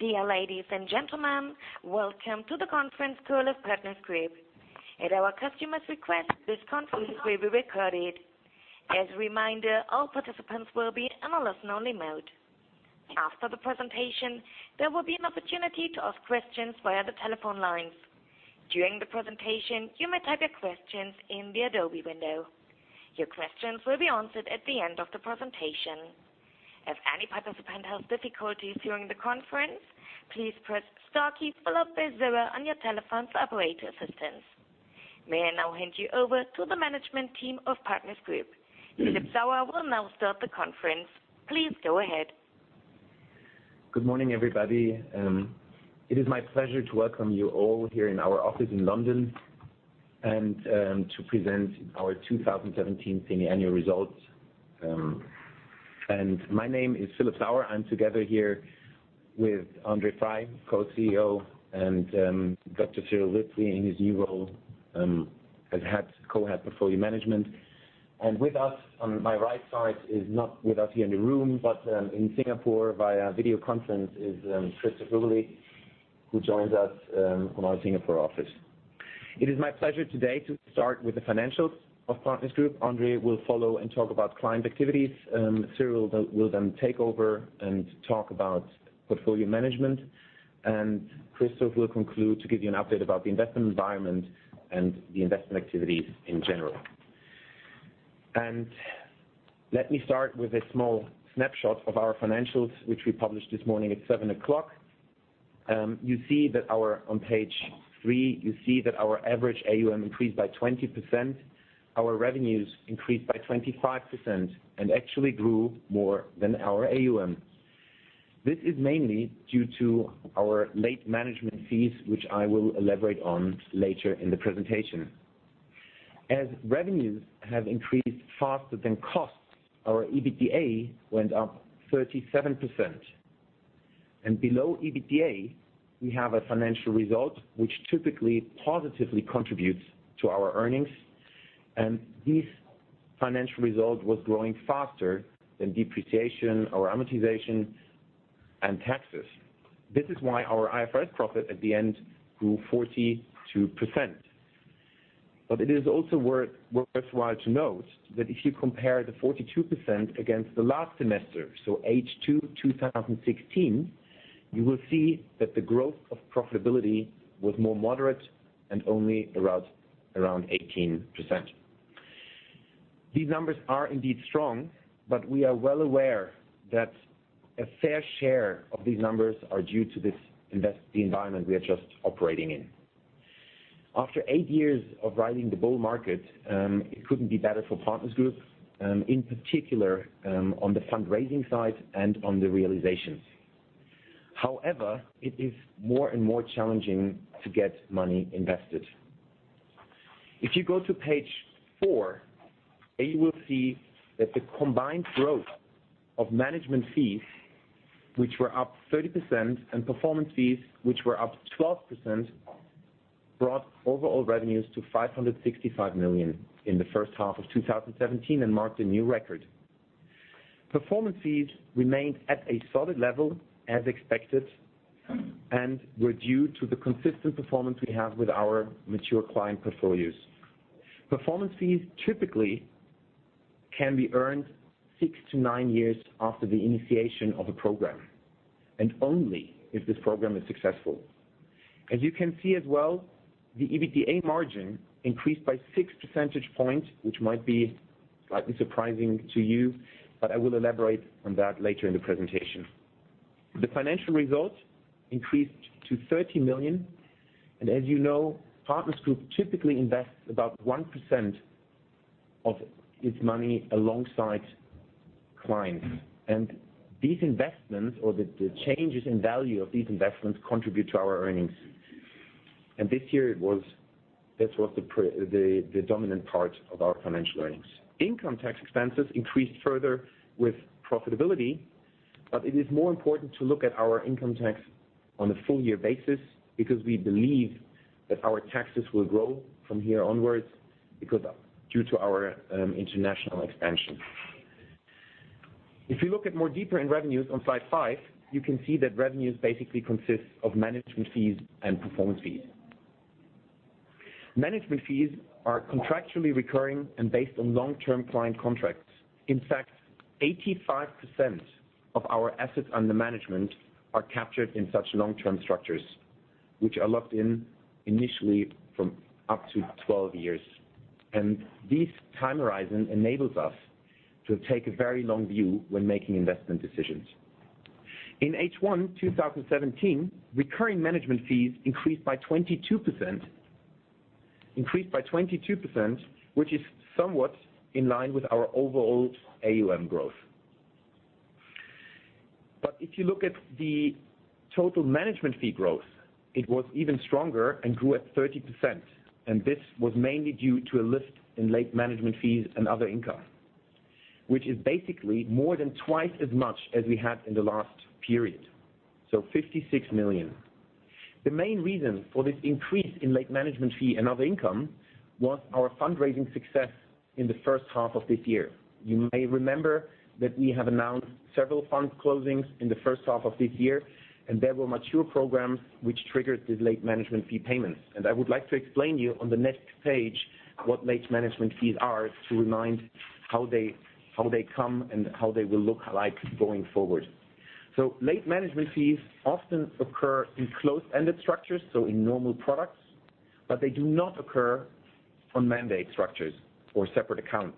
Dear ladies and gentlemen, welcome to the conference call of Partners Group. At our customers' request, this conference will be recorded. As a reminder, all participants will be in a listen-only mode. After the presentation, there will be an opportunity to ask questions via the telephone lines. During the presentation, you may type your questions in the Adobe window. Your questions will be answered at the end of the presentation. If any participant has difficulties during the conference, please press star key followed by zero on your telephone for operator assistance. May I now hand you over to the management team of Partners Group? Philip Sauer will now start the conference. Please go ahead. Good morning, everybody. It is my pleasure to welcome you all here in our office in London and to present our 2017 semi-annual results. My name is Philip Sauer. I'm together here with Andre Frei, co-CEO, and Dr. Cyrill Wipfli in his new role as co-head portfolio management. With us on my right side is not with us here in the room, but in Singapore via video conference is Christoph Rubeli, who joins us from our Singapore office. It is my pleasure today to start with the financials of Partners Group. Andre will follow and talk about client activities. Cyrill will then take over and talk about portfolio management, and Christoph will conclude to give you an update about the investment environment and the investment activities in general. Let me start with a small snapshot of our financials, which we published this morning at 7:00 A.M. On page three, you see that our average AUM increased by 20%, our revenues increased by 25% and actually grew more than our AUM. This is mainly due to our late management fees, which I will elaborate on later in the presentation. As revenues have increased faster than costs, our EBITDA went up 37%. Below EBITDA, we have a financial result which typically positively contributes to our earnings. This financial result was growing faster than depreciation or amortization and taxes. This is why our IFRS profit at the end grew 42%. It is also worthwhile to note that if you compare the 42% against the last semester, so H2 2016, you will see that the growth of profitability was more moderate and only around 18%. These numbers are indeed strong, but we are well aware that a fair share of these numbers are due to this investment environment we are just operating in. After eight years of riding the bull market, it couldn't be better for Partners Group, in particular, on the fundraising side and on the realizations. However, it is more and more challenging to get money invested. If you go to page four, A, you will see that the combined growth of management fees, which were up 30%, and performance fees, which were up 12%, brought overall revenues to 565 million in the first half of 2017 and marked a new record. Performance fees remained at a solid level as expected and were due to the consistent performance we have with our mature client portfolios. Performance fees typically can be earned six to nine years after the initiation of a program, only if this program is successful. As you can see as well, the EBITDA margin increased by 6 percentage points, which might be slightly surprising to you, I will elaborate on that later in the presentation. The financial results increased to 30 million, as you know, Partners Group typically invests about 1% of its money alongside clients. These investments or the changes in value of these investments contribute to our earnings. This year, this was the dominant part of our financial earnings. Income tax expenses increased further with profitability, it is more important to look at our income tax on a full-year basis because we believe that our taxes will grow from here onwards due to our international expansion. If you look at more deeper in revenues on slide five, you can see that revenues basically consist of management fees and performance fees. Management fees are contractually recurring and based on long-term client contracts. In fact, 85% of our assets under management are captured in such long-term structures, which are locked in initially from up to 12 years. This time horizon enables us to take a very long view when making investment decisions. In H1 2017, recurring management fees increased by 22%, which is somewhat in line with our overall AUM growth. If you look at the total management fee growth, it was even stronger and grew at 30%. This was mainly due to a lift in late management fees and other income, which is basically more than twice as much as we had in the last period, so 56 million. The main reason for this increase in late management fee and other income was our fundraising success in the first half of this year. You may remember that we have announced several fund closings in the first half of this year, there were mature programs which triggered these late management fee payments. I would like to explain to you on the next page what late management fees are to remind how they come and how they will look like going forward. Late management fees often occur in closed-ended structures, in normal products, they do not occur on mandate structures or separate accounts.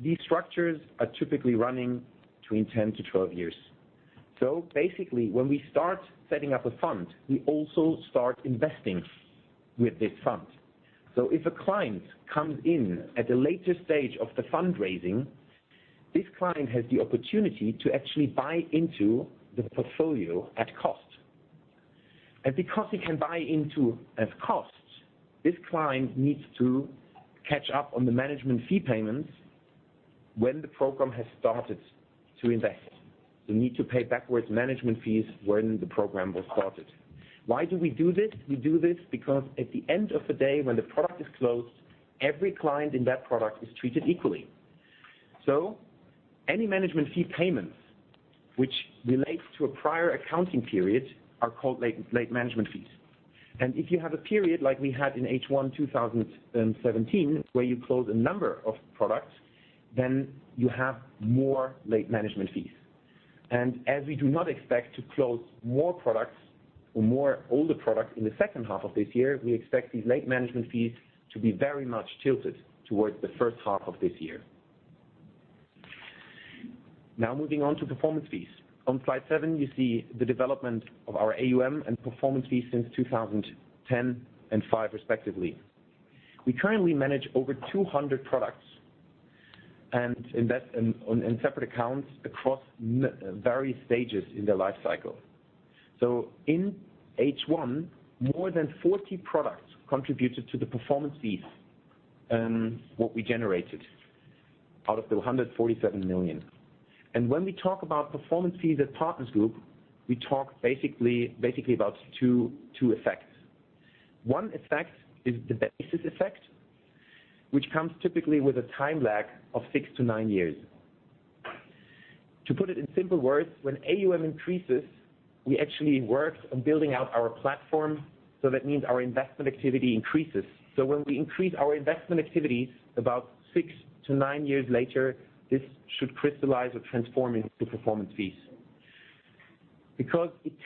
These structures are typically running between 10 to 12 years. Basically, when we start setting up a fund, we also start investing with this fund. If a client comes in at a later stage of the fundraising, this client has the opportunity to actually buy into the portfolio at cost. Because he can buy into at cost, this client needs to catch up on the management fee payments when the program has started to invest. They need to pay backwards management fees when the program was started. Why do we do this? We do this because at the end of the day, when the product is closed, every client in that product is treated equally. Any management fee payments which relate to a prior accounting period are called late management fees. If you have a period like we had in H1 2017, where you close a number of products, you have more late management fees. As we do not expect to close more products or more older products in the second half of this year, we expect these late management fees to be very much tilted towards the first half of this year. Moving on to performance fees. On slide seven, you see the development of our AUM and performance fees since 2010 and 2005, respectively. We currently manage over 200 products and invest in separate accounts across various stages in their life cycle. In H1, more than 40 products contributed to the performance fees, what we generated out of the 147 million. When we talk about performance fees at Partners Group, we talk basically about two effects. One effect is the basis effect, which comes typically with a time lag of six to nine years. To put it in simple words, when AUM increases, we actually work on building out our platform, that means our investment activity increases. When we increase our investment activities, about six to nine years later, this should crystallize or transform into performance fees. It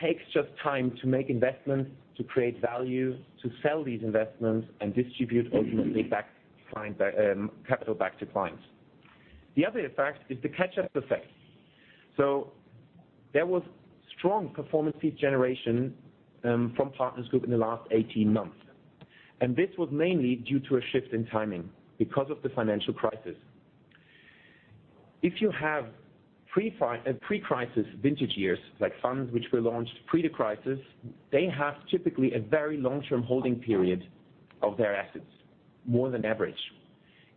takes just time to make investments, to create value, to sell these investments, and distribute ultimately capital back to clients. The other effect is the catch-up effect. There was strong performance fee generation from Partners Group in the last 18 months. This was mainly due to a shift in timing because of the financial crisis. If you have pre-crisis vintage years, like funds which were launched pre the crisis, they have typically a very long-term holding period of their assets, more than average.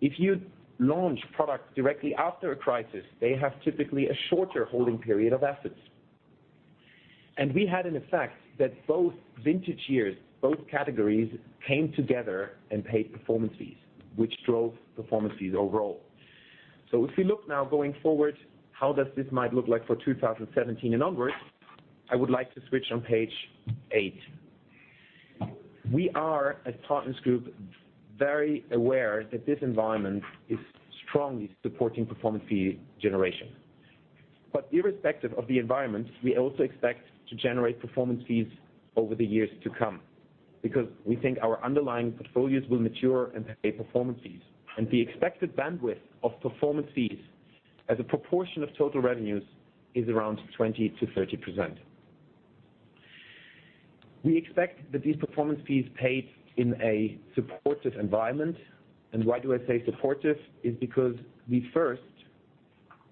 If you launch products directly after a crisis, they have typically a shorter holding period of assets. We had an effect that both vintage years, both categories, came together and paid performance fees, which drove performance fees overall. If you look now going forward, how does this might look like for 2017 and onwards? I would like to switch on page eight. We are, as Partners Group, very aware that this environment is strongly supporting performance fee generation. Irrespective of the environment, we also expect to generate performance fees over the years to come because we think our underlying portfolios will mature and pay performance fees. The expected bandwidth of performance fees as a proportion of total revenues is around 20%-30%. We expect that these performance fees paid in a supportive environment. Why do I say supportive? Is because we first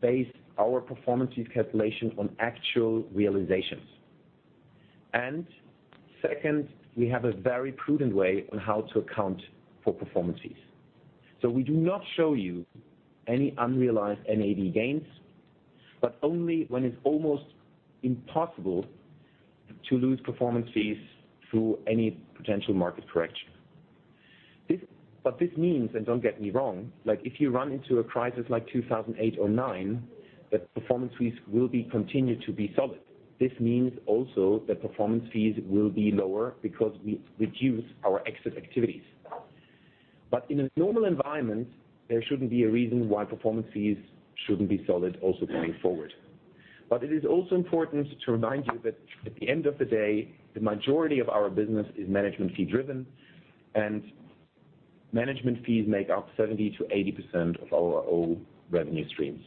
base our performance fees calculation on actual realizations. Second, we have a very prudent way on how to account for performance fees. We do not show you any unrealized NAV gains, but only when it's almost impossible to lose performance fees through any potential market correction. What this means, and don't get me wrong, if you run into a crisis like 2008 or 2009, the performance fees will be continued to be solid. This means also that performance fees will be lower because we reduce our exit activities. In a normal environment, there shouldn't be a reason why performance fees shouldn't be solid also going forward. It is also important to remind you that at the end of the day, the majority of our business is management fee driven, and management fees make up 70%-80% of our overall revenue streams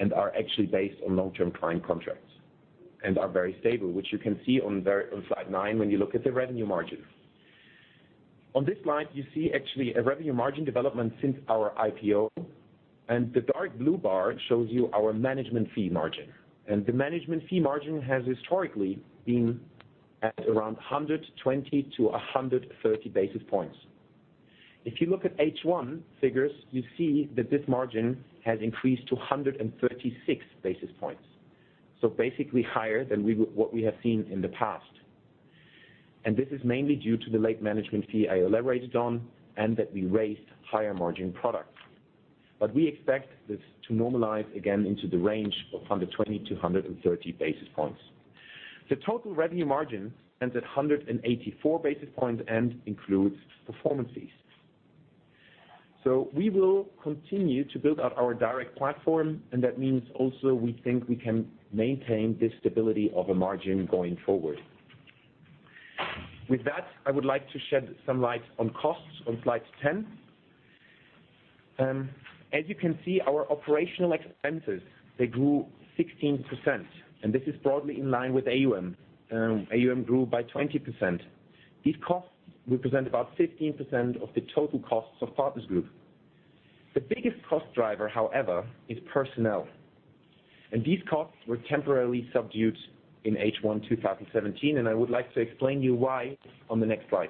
and are actually based on long-term client contracts and are very stable, which you can see on slide nine when you look at the revenue margin. On this slide, you see actually a revenue margin development since our IPO, and the dark blue bar shows you our management fee margin. The management fee margin has historically been at around 120-130 basis points. If you look at H1 figures, you see that this margin has increased to 136 basis points. Basically higher than what we have seen in the past. This is mainly due to the late management fee I elaborated on, and that we raised higher margin products. We expect this to normalize again into the range of 120-130 basis points. The total revenue margin ends at 184 basis points and includes performance fees. We will continue to build out our direct platform, and that means also we think we can maintain this stability of a margin going forward. With that, I would like to shed some light on costs on slide 10. As you can see, our operational expenses, they grew 16%, and this is broadly in line with AUM. AUM grew by 20%. These costs represent about 15% of the total costs of Partners Group. The biggest cost driver, however, is personnel. These costs were temporarily subdued in H1 2017, and I would like to explain you why on the next slide.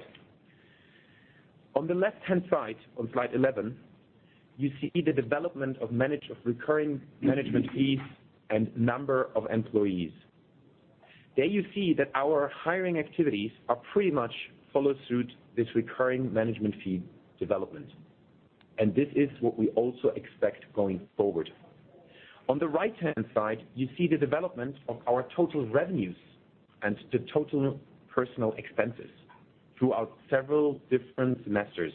On the left-hand side, on slide 11, you see the development of recurring management fees and number of employees. There you see that our hiring activities are pretty much follow suit this recurring management fee development. This is what we also expect going forward. On the right-hand side, you see the development of our total revenues and the total personal expenses throughout several different semesters.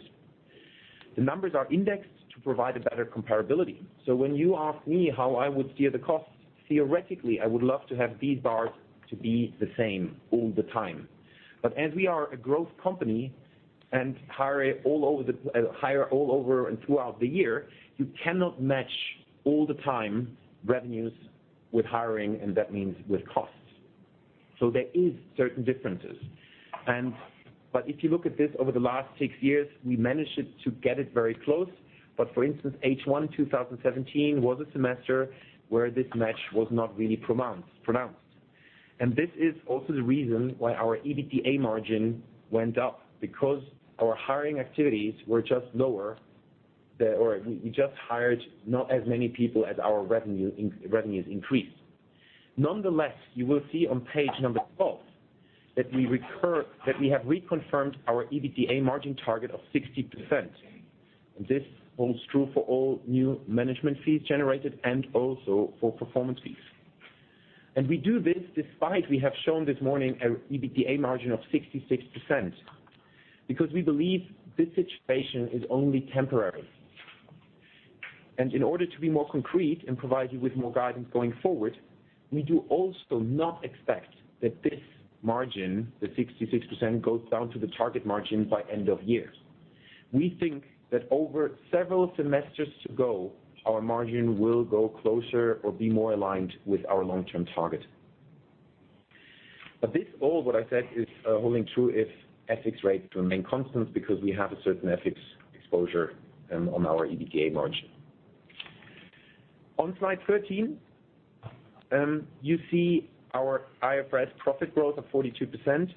The numbers are indexed to provide a better comparability. When you ask me how I would steer the costs, theoretically, I would love to have these bars to be the same all the time. As we are a growth company and hire all over and throughout the year, you cannot match all the time revenues with hiring, and that means with costs. There is certain differences. If you look at this over the last six years, we managed to get it very close. For instance, H1 2017 was a semester where this match was not really pronounced. This is also the reason why our EBITDA margin went up, because our hiring activities were just lower, or we just hired not as many people as our revenues increased. Nonetheless, you will see on page number 12 that we have reconfirmed our EBITDA margin target of 60%. This holds true for all new management fees generated and also for performance fees. We do this despite we have shown this morning an EBITDA margin of 66%, because we believe this situation is only temporary. In order to be more concrete and provide you with more guidance going forward, we do also not expect that this margin, the 66%, goes down to the target margin by end of year. We think that over several semesters to go, our margin will go closer or be more aligned with our long-term target. This all what I said is holding true if FX rates remain constant because we have a certain FX exposure on our EBITDA margin. On slide 13, you see our IFRS profit growth of 42%,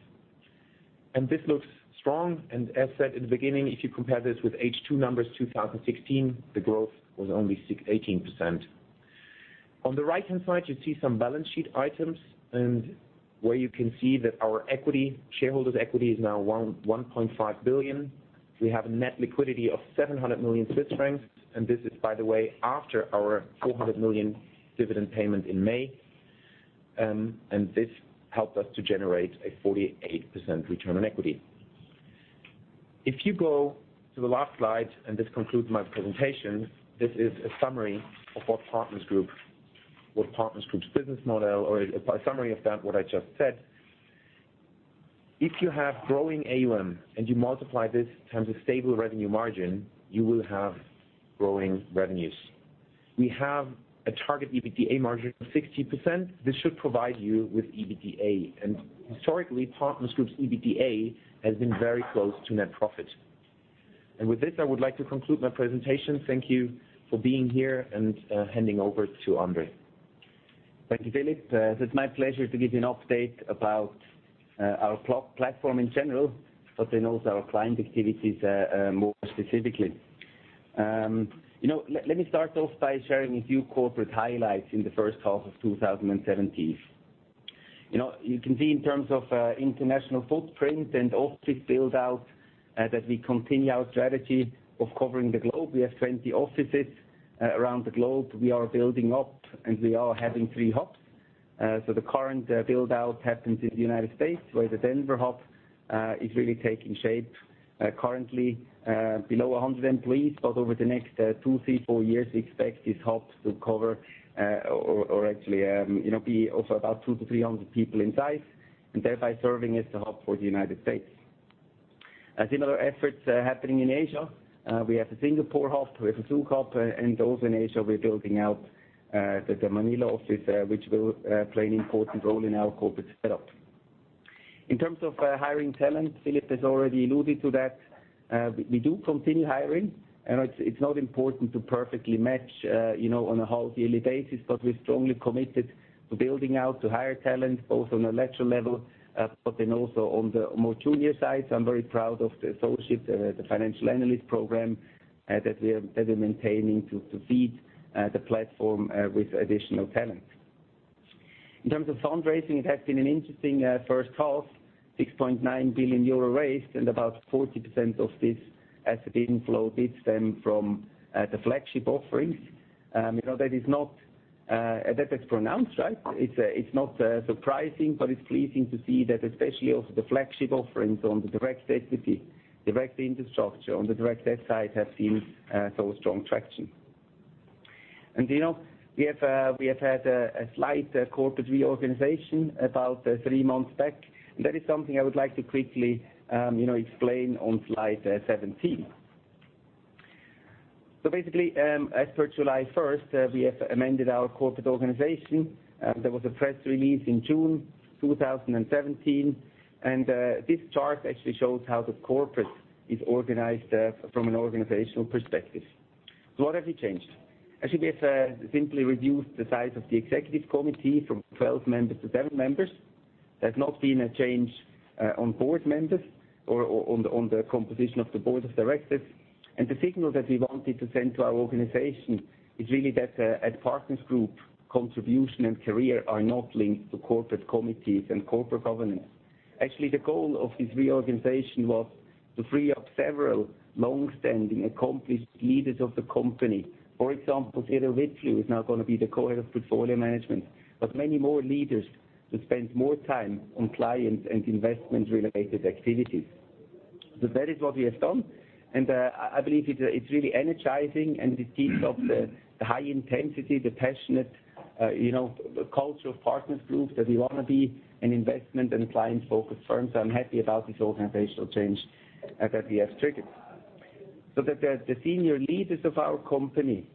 and this looks strong, and as said in the beginning, if you compare this with H2 numbers 2016, the growth was only 18%. On the right-hand side, you see some balance sheet items and where you can see that our shareholders' equity is now 1.5 billion. We have net liquidity of 700 million Swiss francs, and this is, by the way, after our 400 million dividend payment in May, and this helped us to generate a 48% return on equity. If you go to the last slide, and this concludes my presentation, this is a summary of what Partners Group's business model, or a summary of that, what I just said. If you have growing AUM and you multiply this times a stable revenue margin, you will have growing revenues. We have a target EBITDA margin of 60%. This should provide you with EBITDA. Historically, Partners Group's EBITDA has been very close to net profit. With this, I would like to conclude my presentation. Thank you for being here and handing over to Andre. Thank you, Philip. It's my pleasure to give you an update about our platform in general, but then also our client activities more specifically. Let me start off by sharing a few corporate highlights in the first half of 2017. You can see in terms of international footprint and office build-out that we continue our strategy of covering the globe. We have 20 offices around the globe. We are building up, and we are having three hubs. The current build-out happens in the U.S., where the Denver hub is really taking shape. Currently below 100 employees, but over the next two, three, four years, we expect this hub to cover or actually be also about 200 to 300 people in size, and thereby serving as the hub for the U.S. Similar efforts happening in Asia. We have a Singapore hub, we have a Zug hub, and also in Asia, we're building out the Manila office, which will play an important role in our corporate set up. In terms of hiring talent, Philip has already alluded to that. We do continue hiring, and it's not important to perfectly match on a whole yearly basis, but we're strongly committed to building out, to hire talent, both on the lateral level, but then also on the more junior side. I'm very proud of the associates, the financial analyst program that we are maintaining to feed the platform with additional talent. In terms of fundraising, it has been an interesting first half, 6.9 billion euro raised and about 40% of this asset inflow did stem from the flagship offerings. That is pronounced, right? It's not surprising, but it's pleasing to see that especially of the flagship offerings on the direct debt equity, direct infrastructure, on the direct debt side have seen so strong traction. We have had a slight corporate reorganization about three months back, that is something I would like to quickly explain on slide 17. Basically, as per July 1st, we have amended our corporate organization. There was a press release in June 2017, this chart actually shows how the corporate is organized from an organizational perspective. What have we changed? Actually, we have simply reduced the size of the executive committee from 12 members to seven members. There has not been a change on board members or on the composition of the board of directors. The signal that we wanted to send to our organization is really that at Partners Group, contribution and career are not linked to corporate committees and corporate governance. Actually, the goal of this reorganization was to free up several longstanding accomplished leaders of the company. For example, [Theodore Whitfield] is now going to be the co-head of portfolio management, but many more leaders to spend more time on clients and investment-related activities. That is what we have done, I believe it's really energizing and it speaks of the high intensity, the passionate cultural Partners Group, that we want to be an investment and client-focused firm. I'm happy about this organizational change that we have triggered. That the senior leaders of our company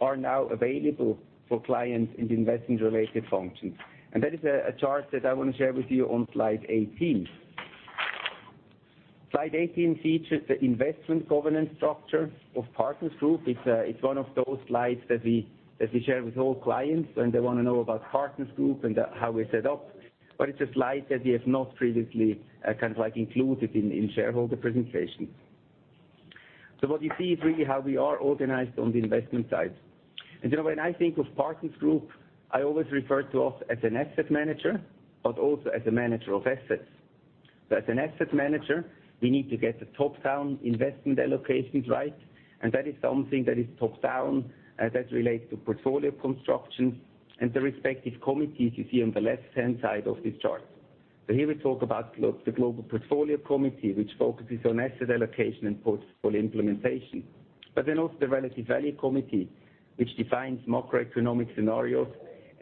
are now available for clients in the investment-related functions. That is a chart that I want to share with you on slide 18. Slide 18 features the investment governance structure of Partners Group. It's one of those slides that we share with all clients when they want to know about Partners Group and how we're set up. It's a slide that we have not previously included in shareholder presentations. What you see is really how we are organized on the investment side. When I think of Partners Group, I always refer to us as an asset manager, but also as a manager of assets. As an asset manager, we need to get the top-down investment allocations right, that is something that is top-down, that relates to portfolio construction and the respective committees you see on the left-hand side of this chart. Here we talk about the global portfolio committee, which focuses on asset allocation and portfolio implementation. Also the relative value committee, which defines macroeconomic scenarios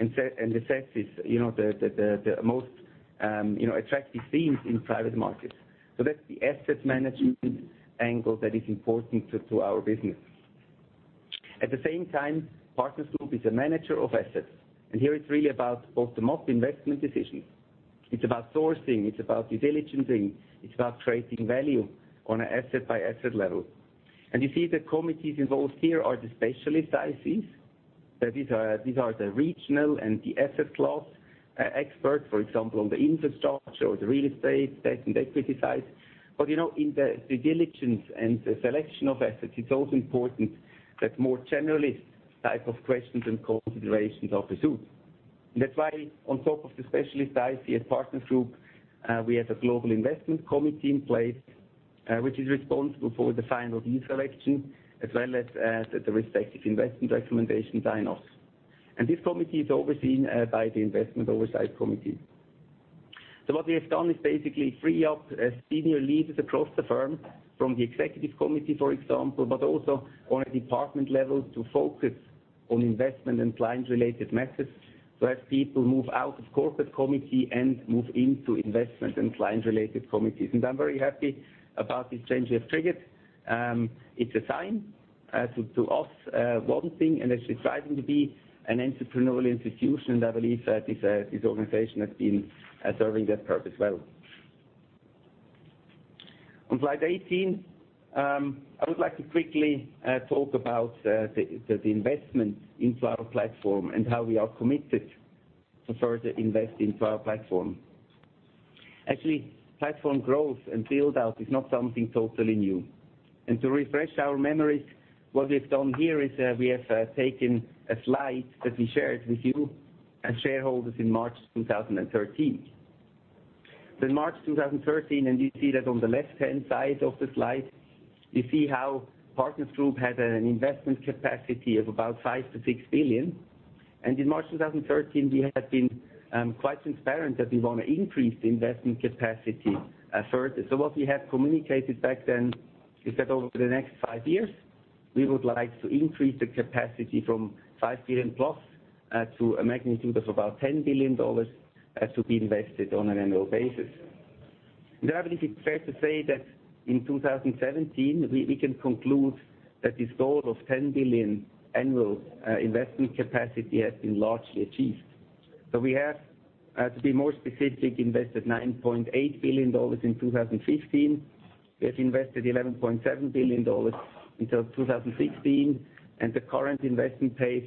and assesses the most attractive themes in private markets. That's the asset management angle that is important to our business. At the same time, Partners Group is a manager of assets, here it's really about both the bulk investment decisions. It's about sourcing, it's about due diligencing, it's about creating value on an asset-by-asset level. You see the committees involved here are the specialist ICs. These are the regional and the asset class experts, for example, on the infrastructure or the real estate debt and equity side. In the due diligence and the selection of assets, it's also important that more generalist type of questions and considerations are pursued. That's why on top of the specialist IC at Partners Group, we have a global investment committee in place, which is responsible for the final deal selection as well as the respective investment recommendation sign-offs. This committee is overseen by the investment oversight committee. What we have done is basically free up senior leaders across the firm from the executive committee, for example, but also on a department level to focus on investment and client-related matters. As people move out of corporate committee and move into investment and client-related committees, and I'm very happy about this change we have triggered. It's a sign to us one thing, and that's deciding to be an entrepreneurial institution, and I believe that this organization has been serving that purpose well. On slide 18, I would like to quickly talk about the investment into our platform and how we are committed to further invest into our platform. Actually, platform growth and build-out is not something totally new. To refresh our memories, what we've done here is we have taken a slide that we shared with you as shareholders in March 2013. In March 2013, and you see that on the left-hand side of the slide, you see how Partners Group had an investment capacity of about 5 billion-6 billion. In March 2013, we had been quite transparent that we want to increase the investment capacity further. What we have communicated back then is that over the next five years, we would like to increase the capacity from 5 billion plus to a magnitude of about CHF 10 billion to be invested on an annual basis. I believe it's fair to say that in 2017, we can conclude that this goal of 10 billion annual investment capacity has been largely achieved. We have, to be more specific, invested CHF 9.8 billion in 2015. We have invested CHF 11.7 billion in 2016, and the current investment pace,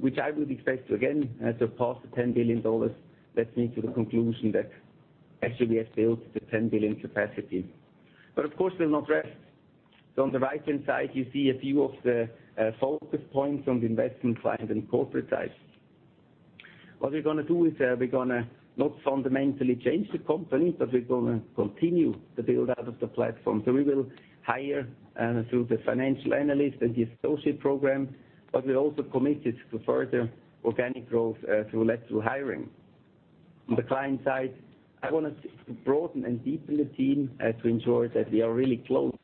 which I would expect to again surpass the CHF 10 billion, lets me to the conclusion that actually we have built the 10 billion capacity. Of course, we'll not rest. On the right-hand side, you see a few of the focus points on the investment side and the corporate side. What we're going to do is we're going to not fundamentally change the company, but we're going to continue the build-out of the platform. We will hire through the financial analyst and the associate program, but we're also committed to further organic growth through lateral hiring. On the client side, I want us to broaden and deepen the team to ensure that we are really close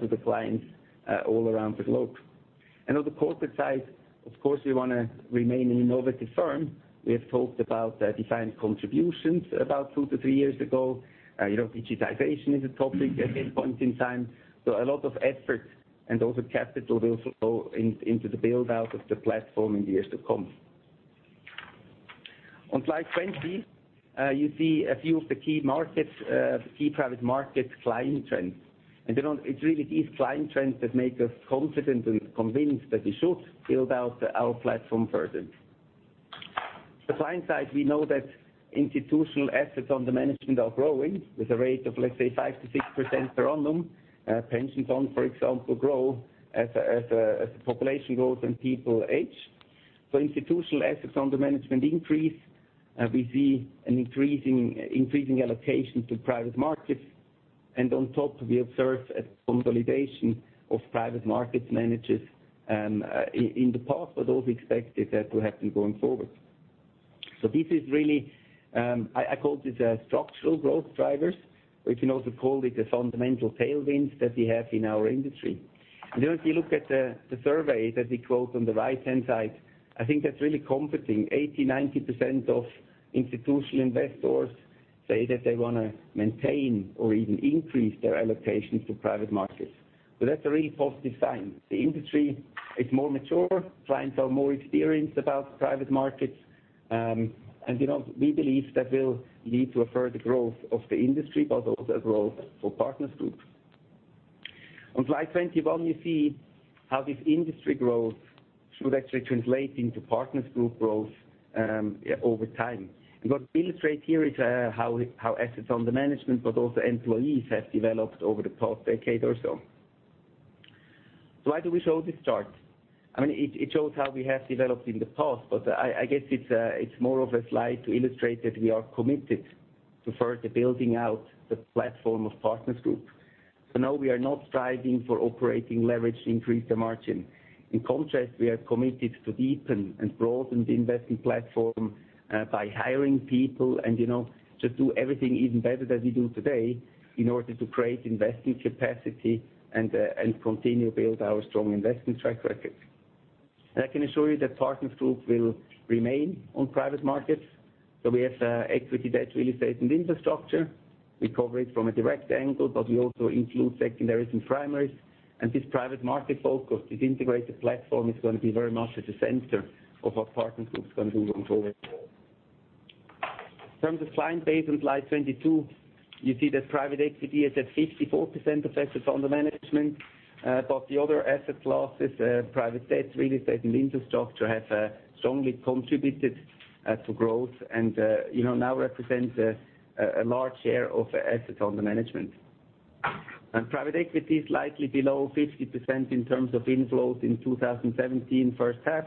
to the clients all around the globe. On the corporate side, of course, we want to remain an innovative firm. We have talked about defined contributions about two to three years ago. Digitization is a topic at this point in time. A lot of effort and also capital will flow into the build-out of the platform in the years to come. On slide 20, you see a few of the key private market client trends. It's really these client trends that make us confident and convinced that we should build out our platform further. On the client side, we know that institutional assets under management are growing with a rate of, let's say, 5%-6% per annum. Pensions, for example, grow as the population grows and people age. Institutional assets under management increase. We see an increasing allocation to private markets. On top, we observe a consolidation of private markets managers in the past, but also expect it to happen going forward. This is really, I call this structural growth drivers, or you can also call it the fundamental tailwinds that we have in our industry. If you look at the survey that we quote on the right-hand side, I think that's really comforting. 80%, 90% of institutional investors say that they want to maintain or even increase their allocation to private markets. That's a really positive sign. The industry is more mature. Clients are more experienced about private markets. We believe that will lead to a further growth of the industry, but also a growth for Partners Group. On slide 21, you see how this industry growth should actually translate into Partners Group growth over time. What's illustrated here is how assets under management, but also employees have developed over the past decade or so. Why do we show this chart? It shows how we have developed in the past, but I guess it's more of a slide to illustrate that we are committed to further building out the platform of Partners Group. No, we are not striving for operating leverage to increase the margin. In contrast, we are committed to deepen and broaden the investing platform by hiring people and just do everything even better than we do today in order to create investing capacity and continue to build our strong investment track record. I can assure you that Partners Group will remain on private markets. We have equity, debt, real estate, and infrastructure. We cover it from a direct angle, but we also include secondaries and primaries. This private market focus, this integrated platform, is going to be very much at the center of what Partners Group is going to do going forward. In terms of client base on slide 22, you see that private equity is at 54% of assets under management, but the other asset classes, private debt, real estate, and infrastructure, have strongly contributed to growth and now represent a large share of assets under management. Private equity is slightly below 50% in terms of inflows in 2017 first half.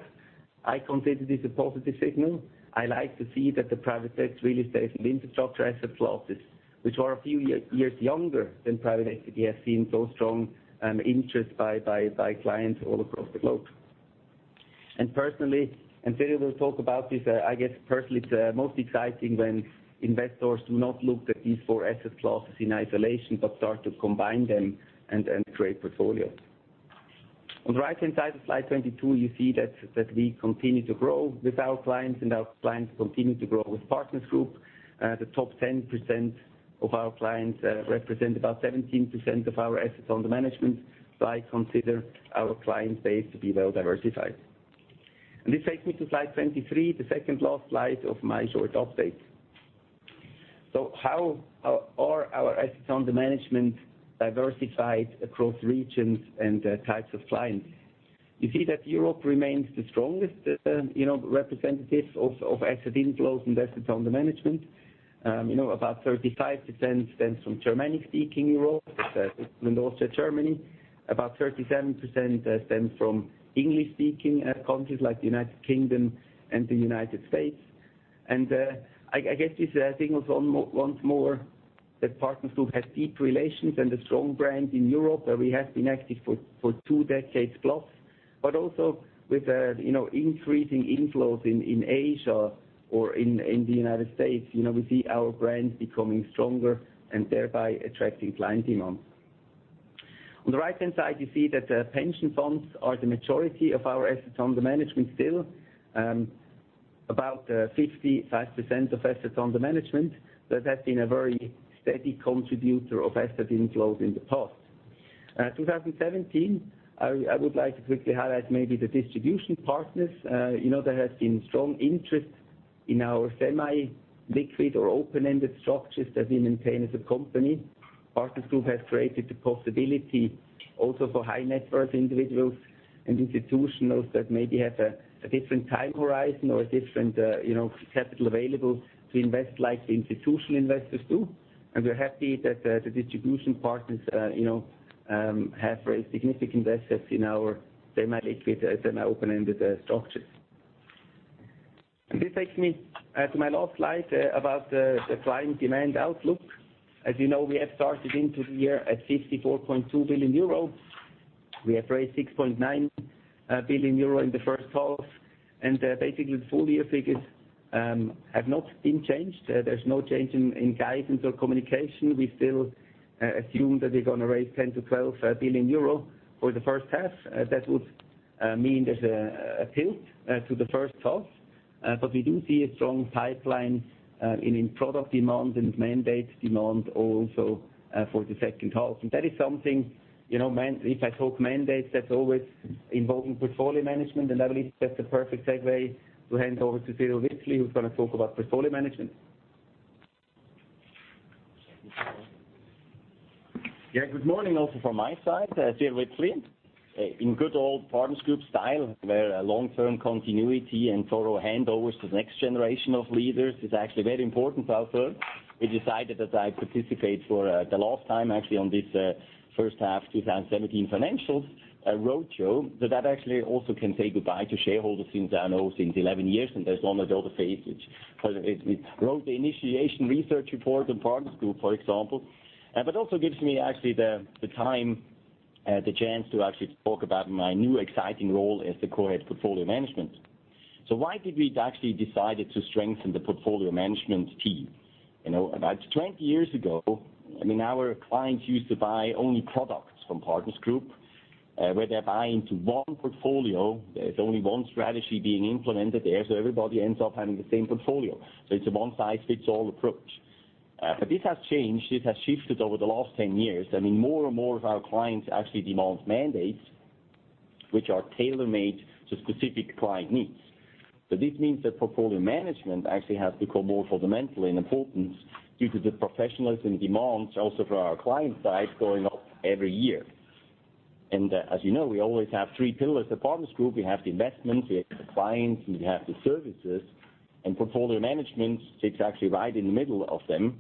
I consider this a positive signal. I like to see that the private debt, real estate, and infrastructure asset classes, which are a few years younger than private equity, have seen so strong interest by clients all across the globe. Personally, and Philippe will talk about this, I guess personally, it's most exciting when investors do not look at these four asset classes in isolation but start to combine them and create portfolios. On the right-hand side of slide 22, you see that we continue to grow with our clients, and our clients continue to grow with Partners Group. The top 10% of our clients represent about 17% of our assets under management, I consider our client base to be well-diversified. This takes me to slide 23, the second last slide of my short update. How are our assets under management diversified across regions and types of clients? You see that Europe remains the strongest representative of asset inflows and assets under management. About 35% stems from Germanic-speaking Europe, Switzerland, Austria, Germany. About 37% stems from English-speaking countries like the U.K. and the U.S. I guess this, I think once more, that Partners Group has deep relations and a strong brand in Europe, where we have been active for two decades plus, but also with increasing inflows in Asia or in the U.S. We see our brand becoming stronger and thereby attracting clients even more. On the right-hand side, you see that the pension funds are the majority of our assets under management still, about 55% of assets under management. That has been a very steady contributor of asset inflow in the past. 2017, I would like to quickly highlight maybe the distribution partners. There has been strong interest in our semi-liquid or open-ended structures that we maintain as a company. Partners Group has created the possibility also for high-net-worth individuals and institutionals that maybe have a different time horizon or a different capital available to invest like the institutional investors do. We are happy that the distribution partners have raised significant assets in our semi-liquid and open-ended structures. This takes me to my last slide about the client demand outlook. As you know, we have started into the year at €54.2 billion. We have raised €6.9 billion in the first half, and basically the full-year figures have not been changed. There's no change in guidance or communication. We still assume that we're going to raise 10 billion-12 billion euro for the first half. That would mean there's a tilt to the first half. We do see a strong pipeline in product demand and mandate demand also for the second half. That is something, if I talk mandates, that's always involving portfolio management, and I believe that's the perfect segue to hand over to Cyrill Wipfli, who's going to talk about portfolio management. Yeah, good morning also from my side. Cyrill Wipfli. In good old Partners Group style, where long-term continuity and thorough handovers to the next generation of leaders is actually very important to us. We decided that I participate for the last time actually on this first half 2017 financials roadshow, that actually I also can say goodbye to shareholders since I know since 11 years, and there's one other phase which wrote the initiation research report on Partners Group, for example. Also gives me actually the time, the chance to actually talk about my new exciting role as the co-head portfolio management. Why did we actually decide to strengthen the portfolio management team? About 20 years ago, our clients used to buy only products from Partners Group, where they buy into one portfolio, there's only one strategy being implemented there, so everybody ends up having the same portfolio. It's a one-size-fits-all approach. This has changed. This has shifted over the last 10 years. More and more of our clients actually demand mandates, which are tailor-made to specific client needs. This means that portfolio management actually has become more fundamental in importance due to the professionalism demands also for our client side going up every year. As you know, we always have three pillars at Partners Group. We have the investments, we have the clients, and we have the services. Portfolio management sits actually right in the middle of them.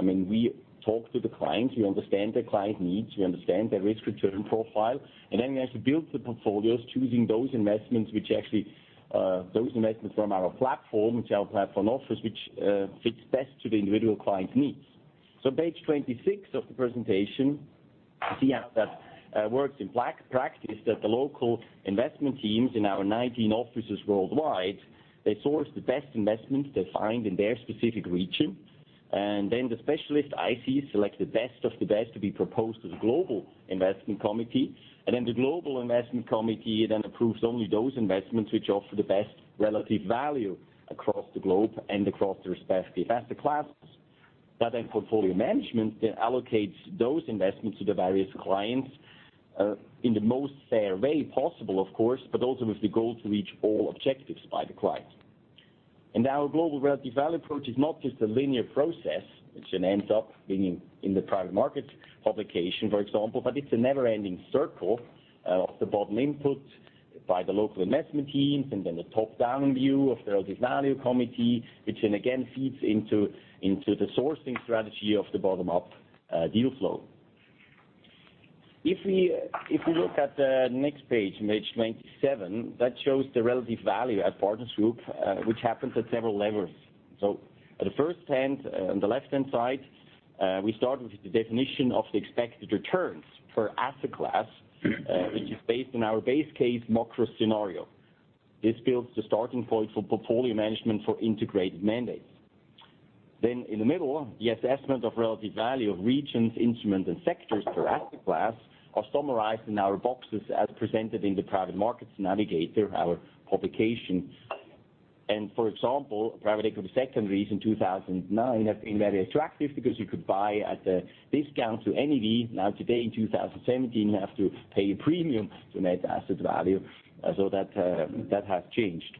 We talk to the clients, we understand the client needs, we understand their risk return profile, we actually build the portfolios choosing those investments from our platform, which our platform offers, which fits best to the individual client's needs. Page 26 of the presentation, you see how that works in practice, that the local investment teams in our 19 offices worldwide, they source the best investments they find in their specific region. The specialist ICs select the best of the best to be proposed to the global investment committee. The global investment committee then approves only those investments which offer the best relative value across the globe and across the respective asset classes. Portfolio management then allocates those investments to the various clients, in the most fair way possible, of course, but also with the goal to reach all objectives by the client. Our global relative value approach is not just a linear process, which then ends up being in the private market publication, for example, but it's a never-ending circle of the bottom input by the local investment teams and then the top-down view of the relative value committee, which then again feeds into the sourcing strategy of the bottom-up deal flow. If we look at the next page 27, that shows the relative value at Partners Group, which happens at several levels. At the first hand, on the left-hand side, we start with the definition of the expected returns for asset class, which is based on our base case macro scenario. This builds the starting point for portfolio management for integrated mandates. In the middle, the assessment of relative value of regions, instruments, and sectors per asset class are summarized in our boxes as presented in the "Private Markets Navigator," our publication. For example, private equity secondaries in 2009 have been very attractive because you could buy at a discount to NAV. Today in 2017, you have to pay a premium to net asset value. That has changed.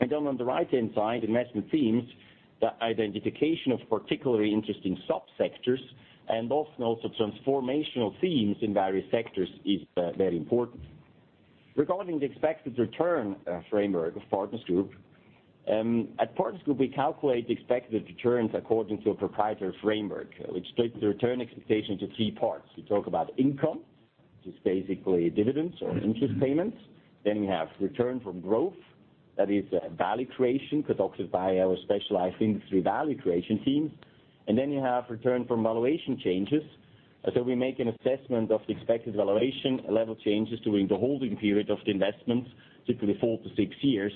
On the right-hand side, investment themes, the identification of particularly interesting sub-sectors and often also transformational themes in various sectors is very important. Regarding the expected return framework of Partners Group, at Partners Group, we calculate the expected returns according to a proprietary framework, which splits the return expectation into three parts. We talk about income, which is basically dividends or interest payments. We have return from growth, that is value creation, conducted by our specialized industry value creation team. You have return from valuation changes. We make an assessment of the expected valuation level changes during the holding period of the investments, typically four to six years.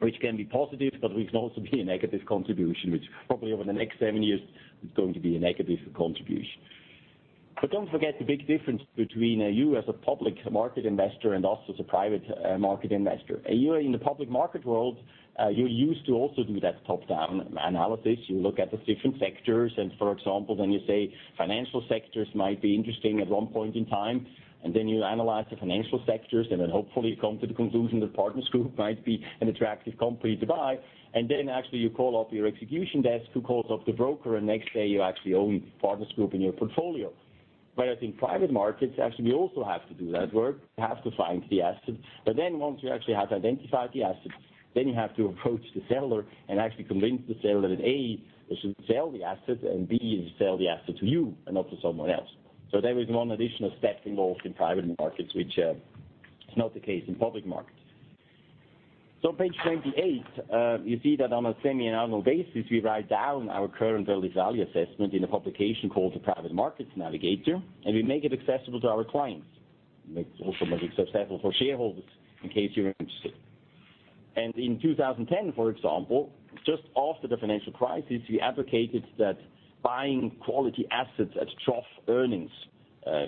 Which can be positive, but which can also be a negative contribution, which probably over the next seven years is going to be a negative contribution. Don't forget the big difference between you as a public market investor and us as a private market investor. You in the public market world, you're used to also doing that top-down analysis. You look at the different sectors and, for example, you say financial sectors might be interesting at one point in time. You analyze the financial sectors, hopefully you come to the conclusion that Partners Group might be an attractive company to buy. Actually you call up your execution desk, who calls up the broker, and next day you actually own Partners Group in your portfolio. I think private markets, actually we also have to do that work. We have to find the assets. Once you actually have identified the assets, you have to approach the seller and actually convince the seller that, A, they should sell the asset, and B, they sell the asset to you and not to someone else. There is one additional step involved in private markets which is not the case in public markets. On page 28, you see that on a semi-annual basis, we write down our current relative value assessment in a publication called the "Private Markets Navigator," we make it accessible to our clients. It's also made accessible for shareholders in case you're interested. In 2010, for example, just after the financial crisis, we advocated that buying quality assets at trough earnings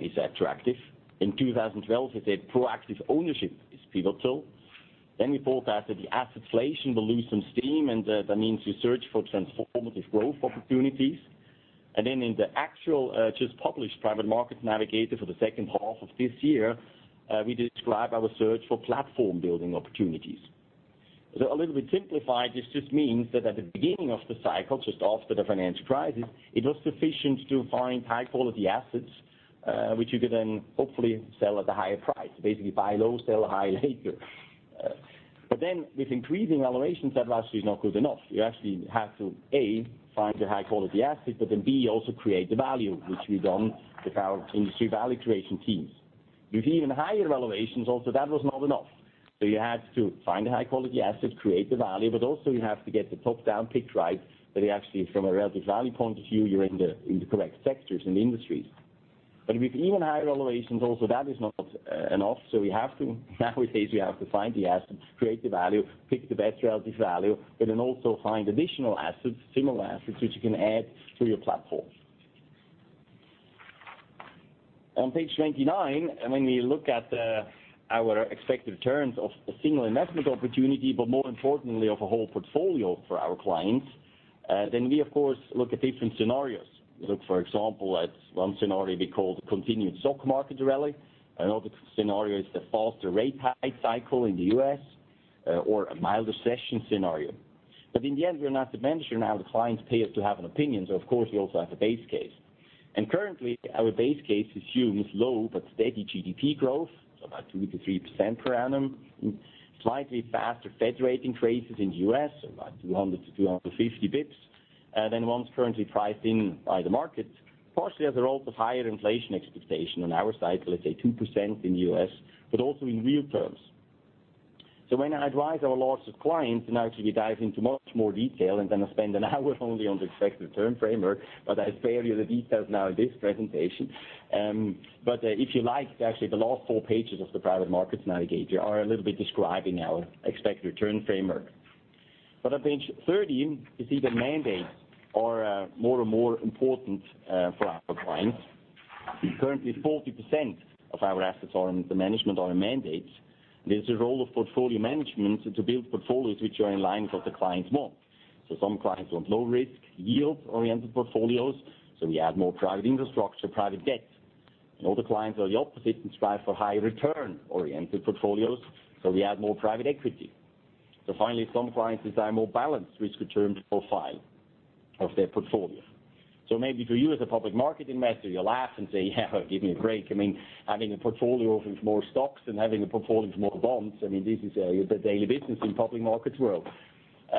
is attractive. In 2012, we said proactive ownership is pivotal. We thought that the asset inflation will lose some steam, that means you search for transformative growth opportunities. In the actual just-published "Private Markets Navigator" for the second half of this year, we describe our search for platform-building opportunities. A little bit simplified, this just means that at the beginning of the cycle, just after the financial crisis, it was sufficient to find high-quality assets, which you could hopefully sell at a higher price. Basically buy low, sell high later. With increasing valuations, that actually is not good enough. You actually have to, A, find the high-quality asset, B, also create the value, which we've done with our industry value creation teams. With even higher valuations also, that was not enough. You had to find a high-quality asset, create the value, also you have to get the top-down pick right, that actually from a relative value point of view, you're in the correct sectors and industries. With even higher valuations also, that is not enough. nowadays we have to find the assets, create the value, pick the best relative value, but then also find additional assets, similar assets, which you can add to your platform. On page 29, when we look at our expected returns of a single investment opportunity, but more importantly of a whole portfolio for our clients, then we, of course, look at different scenarios. We look, for example, at one scenario we call the continued stock market rally. Another scenario is the faster rate hike cycle in the U.S. or a milder session scenario. In the end, we are not a venture now. The clients pay us to have an opinion, so of course, we also have a base case. Currently, our base case assumes low but steady GDP growth, so about 2%-3% per annum, slightly faster Fed raising rates in the U.S., so about 200 to 250 basis points, than one's currently priced in by the market, partially as a result of higher inflation expectation on our side, let's say 2% in the U.S., but also in real terms. When I advise our largest clients, and actually we dive into much more detail and then spend an hour only on the expected return framework, but I spare you the details now in this presentation. If you like, actually the last four pages of the "Private Markets Navigator" are a little bit describing our expected return framework. On page 30, you see that mandates are more and more important for our clients. Currently, 40% of our assets under management are on mandates. There's a role of portfolio management to build portfolios which are in line with what the clients want. Some clients want low risk, yield-oriented portfolios. We add more private infrastructure, private debt. Other clients are the opposite and strive for high return-oriented portfolios, so we add more private equity. Finally, some clients desire a more balanced risk return profile of their portfolio. Maybe for you as a public market investor, you'll laugh and say, "Yeah, give me a break." I mean, having a portfolio with more stocks than having a portfolio with more bonds, I mean, this is the daily business in public markets world.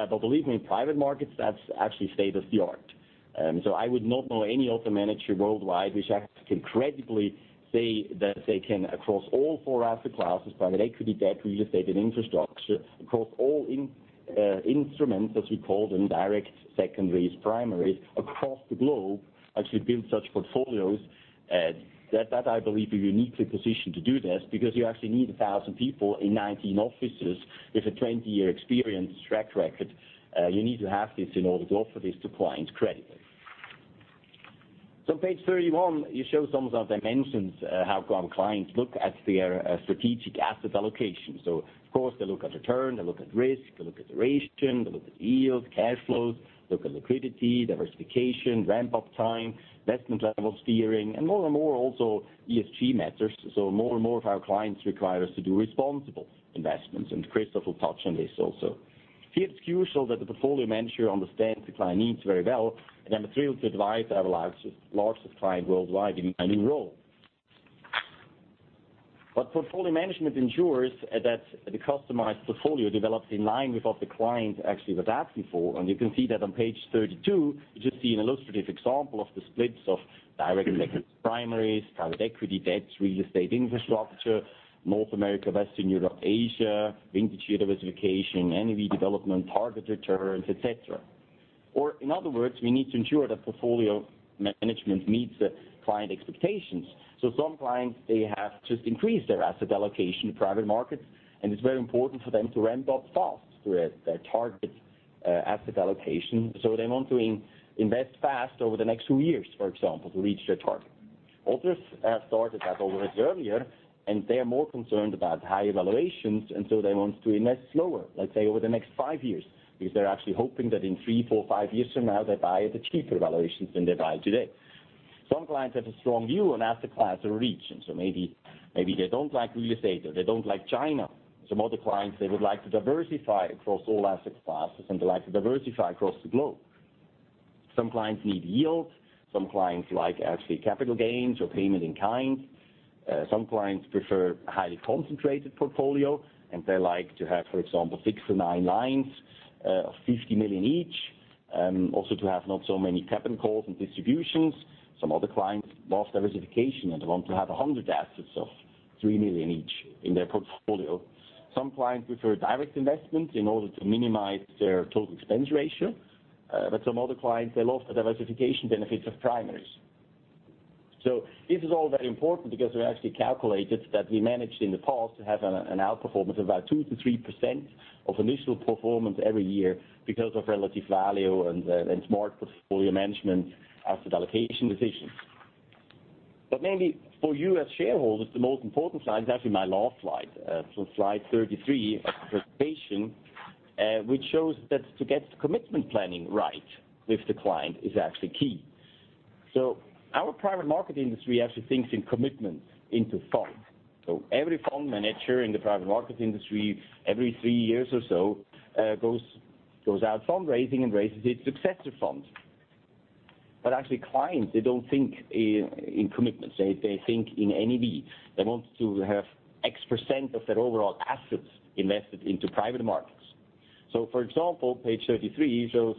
Believe me, in private markets, that's actually state of the art. I would not know any other manager worldwide which can credibly say that they can, across all four asset classes, private equity, debt, real estate, and infrastructure, across all instruments, as we call them, direct, secondaries, primaries, across the globe, actually build such portfolios. That I believe we're uniquely positioned to do this because you actually need 1,000 people in 19 offices with a 20-year experience track record. You need to have this in order to offer this to clients credibly. On page 31, it shows some of the dimensions how our clients look at their strategic asset allocation. Of course, they look at return, they look at risk, they look at duration, they look at yields, cash flows, look at liquidity, diversification, ramp-up time, investment level steering, and more and more also ESG matters. More and more of our clients require us to do responsible investments, Christoph will touch on this also. Here it's crucial that the portfolio manager understands the client needs very well, and I'm thrilled to advise our largest client worldwide in my new role. Portfolio management ensures that the customized portfolio develops in line with what the client actually was asking for. You can see that on page 32, you just see an illustrative example of the splits of direct secondaries, primaries, private equity, debts, real estate, infrastructure, North America, Western Europe, Asia, vintage year diversification, NAV development, target returns, et cetera. In other words, we need to ensure that portfolio management meets the client expectations. Some clients, they have just increased their asset allocation to private markets, and it's very important for them to ramp up fast to their target asset allocation. They want to invest fast over the next two years, for example, to reach their target. Others have started that already earlier, they're more concerned about higher valuations, they want to invest slower, let's say, over the next five years, because they're actually hoping that in three, four, five years from now, they buy at cheaper valuations than they buy today. Some clients have a strong view on asset class or region, so maybe they don't like real estate, or they don't like China. Some other clients, they would like to diversify across all asset classes, they like to diversify across the globe. Some clients need yield. Some clients like actually capital gains or payment in kind. Some clients prefer a highly concentrated portfolio, they like to have, for example, six to nine lines of 50 million each, also to have not so many capital calls and distributions. Some other clients love diversification and want to have 100 assets of 3 million each in their portfolio. Some clients prefer direct investment in order to minimize their total expense ratio. Some other clients, they love the diversification benefits of primaries. This is all very important because we actually calculated that we managed in the past to have an outperformance of about 2%-3% of initial performance every year because of relative value and smart portfolio management asset allocation decisions. Maybe for you as shareholders, the most important slide is actually my last slide 33 of the presentation, which shows that to get the commitment planning right with the client is actually key. Our private market industry actually thinks in commitments into funds. Every fund manager in the private market industry, every three years or so, goes out fundraising and raises its successive funds. Actually clients, they don't think in commitments. They think in NAV. They want to have X% of their overall assets invested into private markets. For example, page 33 shows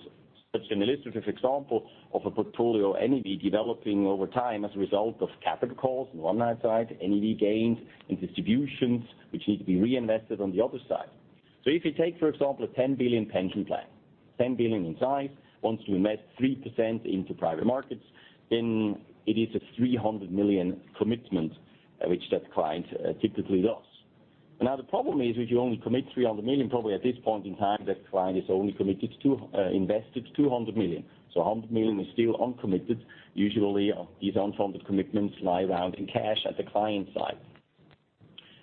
such an illustrative example of a portfolio AAV developing over time as a result of capital calls on one side, AAV gains and distributions, which need to be reinvested on the other side. If you take, for example, a 10 billion pension plan, 10 billion in size, wants to invest 3% into private markets, it is a 300 million commitment which that client typically does. The problem is if you only commit 300 million, probably at this point in time, that client has only invested 200 million. 100 million is still uncommitted. Usually, these unfunded commitments lie around in cash at the client side.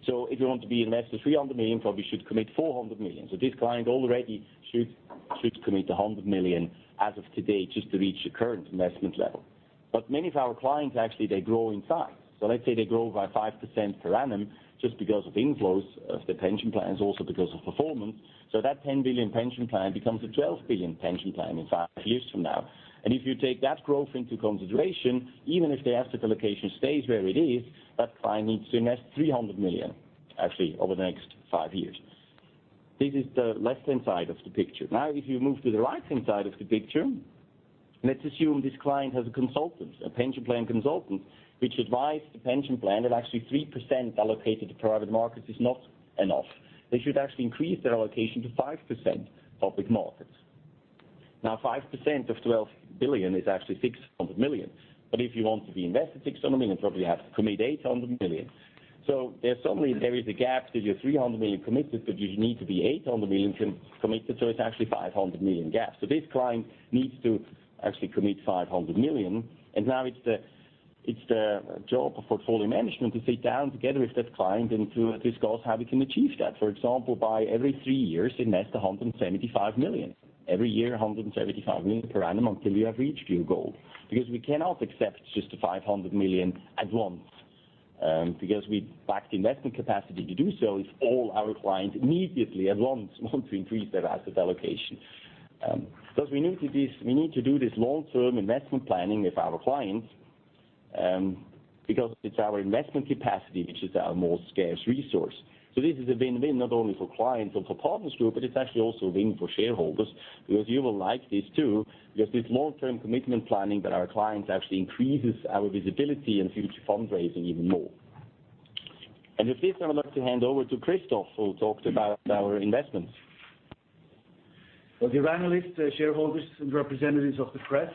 If you want to invest 300 million, probably should commit 400 million. This client already should commit 100 million as of today just to reach the current investment level. Many of our clients, actually they grow in size. Let's say they grow by 5% per annum just because of inflows of the pension plans, also because of performance. That 10 billion pension plan becomes a 12 billion pension plan in five years from now. If you take that growth into consideration, even if the asset allocation stays where it is, that client needs to invest 300 million, actually, over the next five years. This is the left-hand side of the picture. If you move to the right-hand side of the picture, let's assume this client has a consultant, a pension plan consultant, which advised the pension plan that actually 3% allocated to private markets is not enough. They should actually increase their allocation to 5% public markets. 5% of 12 billion is actually 600 million. If you want to invest 600 million, probably you have to commit 800 million. There suddenly there is a gap that you're 300 million committed, but you need to be 800 million committed, it's actually a 500 million gap. This client needs to actually commit 500 million, and now it's the job of portfolio management to sit down together with that client and to discuss how we can achieve that. For example, by every three years, invest 175 million. Every year, 175 million per annum until you have reached your goal. Because we cannot accept just a 500 million at once, because we lack the investment capacity to do so if all our clients immediately at once want to increase their asset allocation. We need to do this long-term investment planning with our clients, because it's our investment capacity which is our most scarce resource. This is a win-win not only for clients or for Partners Group, but it's actually also a win for shareholders because you will like this too, because this long-term commitment planning that our clients actually increases our visibility and future fundraising even more. With this, I would like to hand over to Christoph, who will talk about our investments. Well, dear analysts, shareholders, and representatives of the press,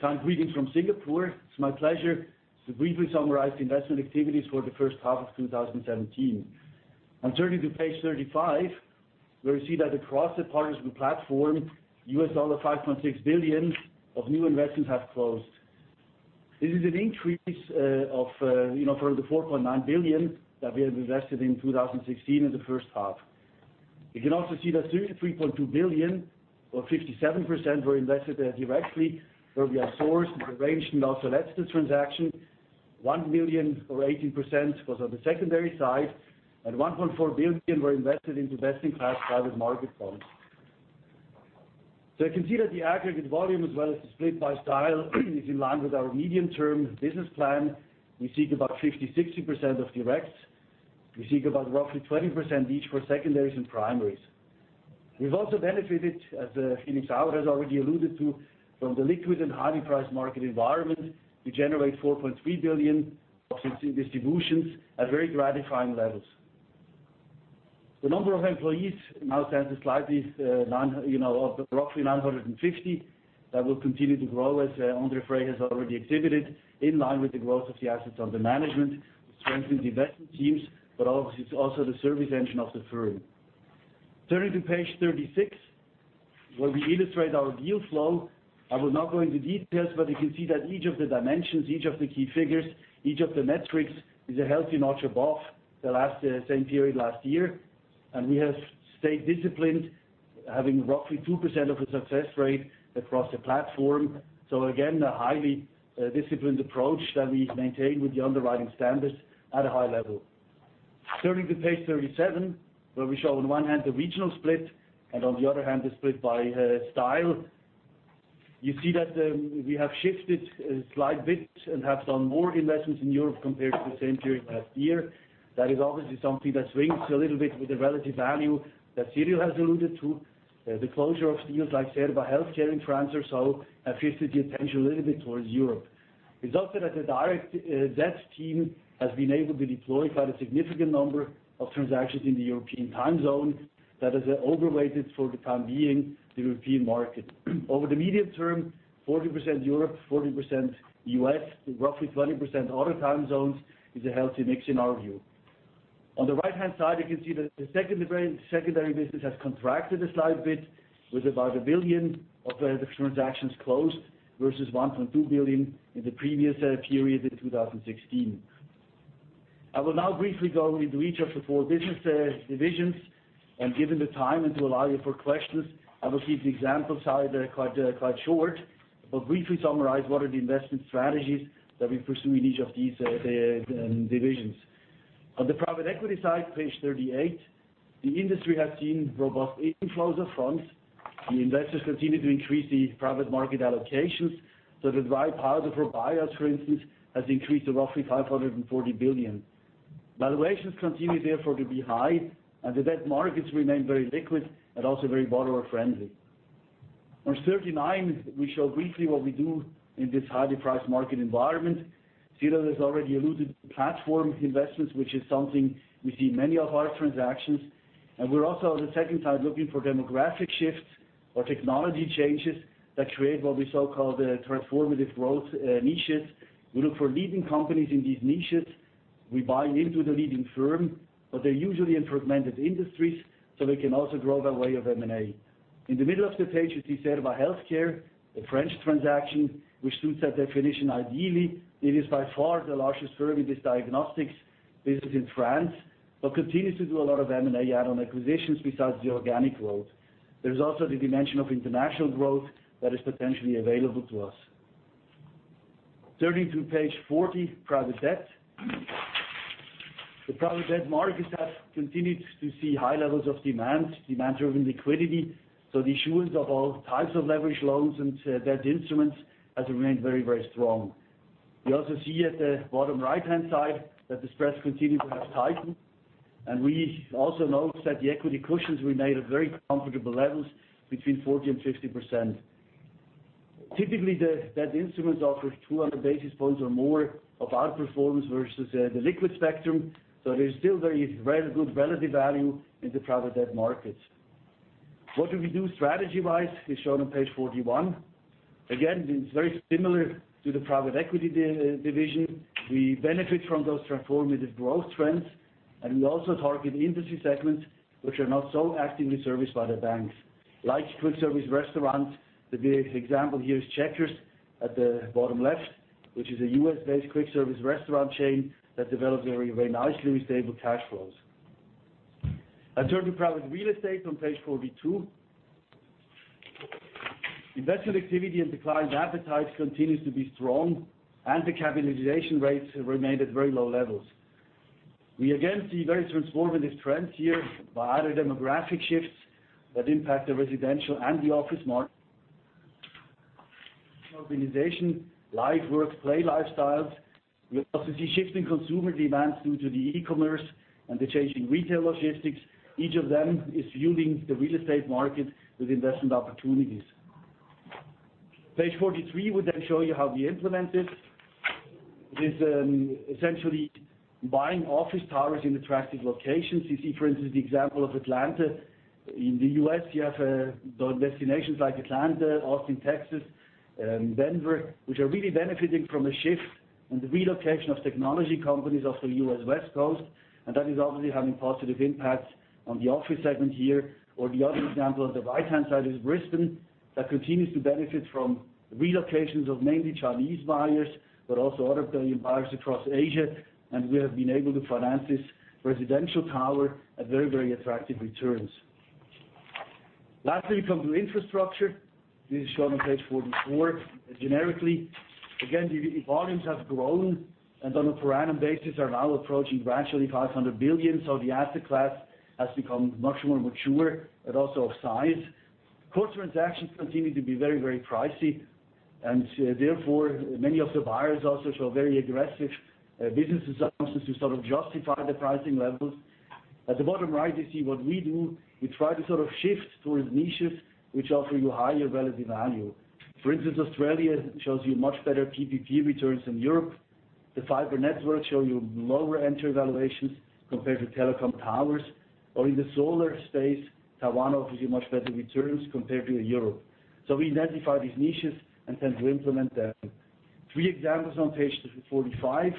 kind greetings from Singapore. It is my pleasure to briefly summarize the investment activities for the first half of 2017. Turning to page 35, where you see that across the Partners Group platform, US dollar 5.6 billion of new investments have closed. This is an increase of for the 4.9 billion that we have invested in 2016 in the first half. You can also see that 3.2 billion or 57% were invested there directly, where we have sourced and arranged and also led the transaction. 1 billion or 18% was on the secondary side, and 1.4 billion were invested into best-in-class private market funds. You can see that the aggregate volume as well as the split by style is in line with our medium-term business plan. We seek about 50%, 60% of directs. We seek about roughly 20% each for secondaries and primaries. We have also benefited, as Philipp Sauer has already alluded to, from the liquid and highly priced market environment to generate 4.3 billion of distributions at very gratifying levels. The number of employees now stands at roughly 950. That will continue to grow, as Andre Frei has already exhibited, in line with the growth of the assets under management to strengthen the investment teams, but obviously it is also the service engine of the firm. Turning to page 36, where we illustrate our deal flow. I will not go into details, but you can see that each of the dimensions, each of the key figures, each of the metrics is a healthy notch above the same period last year. We have stayed disciplined, having roughly 2% of the success rate across the platform. Again, a highly disciplined approach that we maintain with the underwriting standards at a high level. Turning to page 37, where we show on one hand the regional split, and on the other hand, the split by style. You see that we have shifted a slight bit and have done more investments in Europe compared to the same period last year. That is obviously something that swings a little bit with the relative value that Cyrill has alluded to. The closure of deals, like Cerba HealthCare in France or so, have shifted the attention a little bit towards Europe. A result is that the direct debt team has been able to deploy quite a significant number of transactions in the European time zone that is overweighted for the time being, the European market. Over the medium term, 40% Europe, 40% U.S., roughly 20% other time zones is a healthy mix in our view. On the right-hand side, you can see that the secondary business has contracted a slight bit with about 1 billion of transactions closed, versus 1.2 billion in the previous period in 2016. I will now briefly go into each of the four business divisions and given the time and to allow you for questions, I will keep the example side quite short, but briefly summarize what are the investment strategies that we pursue in each of these divisions. On the private equity side, page 38, the industry has seen robust inflows of funds. The investors continue to increase the private market allocations, the dry powder for buyers, for instance, has increased to roughly 540 billion. Valuations continue therefore to be high. The debt markets remain very liquid and also very borrower-friendly. On page 39, we show briefly what we do in this highly priced market environment. Cyrill has already alluded to platform investments, which is something we see many of our transactions, and we are also, on the second side, looking for demographic shifts or technology changes that create what we so-called the transformative growth niches. We look for leading companies in these niches. We buy into the leading firm, but they are usually in fragmented industries, so they can also grow their way of M&A. In the middle of the page is Cerba HealthCare, the French transaction, which suits that definition ideally. It is by far the largest firm in this diagnostics business in France, but continues to do a lot of M&A add-on acquisitions besides the organic growth. There is also the dimension of international growth that is potentially available to us. Turning to page 40, private debt. The private debt markets have continued to see high levels of demand-driven liquidity. The issuance of all types of leverage loans and debt instruments has remained very strong. We also see at the bottom right-hand side that the spreads continue to have tightened, and we also note that the equity cushions remain at very comfortable levels between 40%-50%. Typically, the debt instruments offer 200 basis points or more of outperformance versus the liquid spectrum, so there is still very good relative value in the private debt markets. What do we do strategy-wise? It is shown on page 41. Again, it is very similar to the private equity division. We benefit from those transformative growth trends, and we also target industry segments which are not so actively serviced by the banks, like quick service restaurants. The big example here is Checkers at the bottom left, which is a U.S.-based quick service restaurant chain that develops very nicely with stable cash flows. I turn to private real estate on page 42. Investment activity and declines appetite continues to be strong, and the capitalization rates remain at very low levels. We again see very transformative trends here by other demographic shifts that impact the residential and the office market. Urbanization, live, work, play lifestyles. We also see shifting consumer demands due to the e-commerce and the changing retail logistics. Each of them is yielding the real estate market with investment opportunities. Page 43 will then show you how we implement this. It is essentially buying office towers in attractive locations. You see, for instance, the example of Atlanta. In the U.S., you have destinations like Atlanta, Austin, Texas, Denver, which are really benefiting from a shift in the relocation of technology companies off the U.S. West Coast. That is obviously having positive impacts on the office segment here, or the other example on the right-hand side is Brisbane. That continues to benefit from relocations of mainly Chinese buyers, but also other buyers across Asia. We have been able to finance this residential tower at very attractive returns. Lastly, we come to infrastructure. This is shown on page 44 generically. Again, the volumes have grown, and on a per annum basis are now approaching gradually $500 billion, so the asset class has become much more mature and also of size. Core transactions continue to be very pricey, many of the buyers also show very aggressive business assumptions to sort of justify the pricing levels. At the bottom right, you see what we do. We try to sort of shift towards niches which offer you higher relative value. For instance, Australia shows you much better PPP returns than Europe. The fiber networks show you lower entry valuations compared to telecom towers. In the solar space, Taiwan offers you much better returns compared to Europe. We identify these niches and tend to implement them. Three examples on page 45,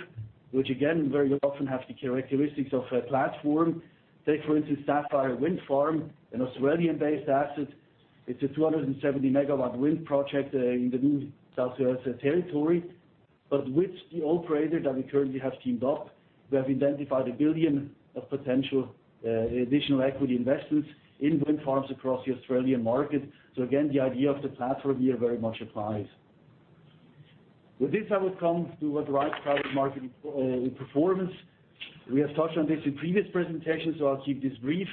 which again, very often have the characteristics of a platform. Take for instance, Sapphire Wind Farm, an Australian-based asset. It's a 270-megawatt wind project in the New South Wales territory. With the operator that we currently have teamed up, we have identified 1 billion of potential additional equity investments in wind farms across the Australian market. Again, the idea of the platform here very much applies. With this, I will come to what drives private market performance. We have touched on this in previous presentations, I'll keep this brief.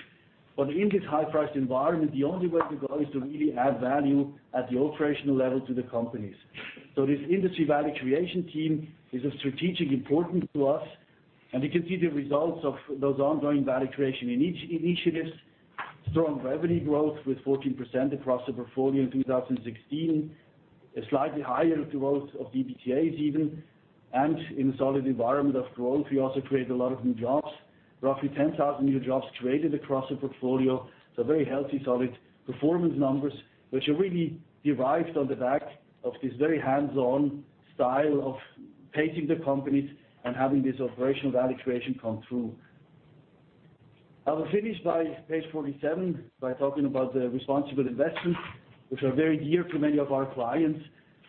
In this high-priced environment, the only way to go is to really add value at the operational level to the companies. This industry value creation team is of strategic importance to us. You can see the results of those ongoing value creation initiatives, strong revenue growth with 14% across the portfolio in 2016. A slightly higher growth of EBITDAs even, in solid environment of growth, we also create a lot of new jobs. Roughly 10,000 new jobs created across the portfolio. Very healthy, solid performance numbers, which are really derived on the back of this very hands-on style of pacing the companies and having this operational value creation come through. I will finish by page 47, by talking about the responsible investments, which are very dear to many of our clients.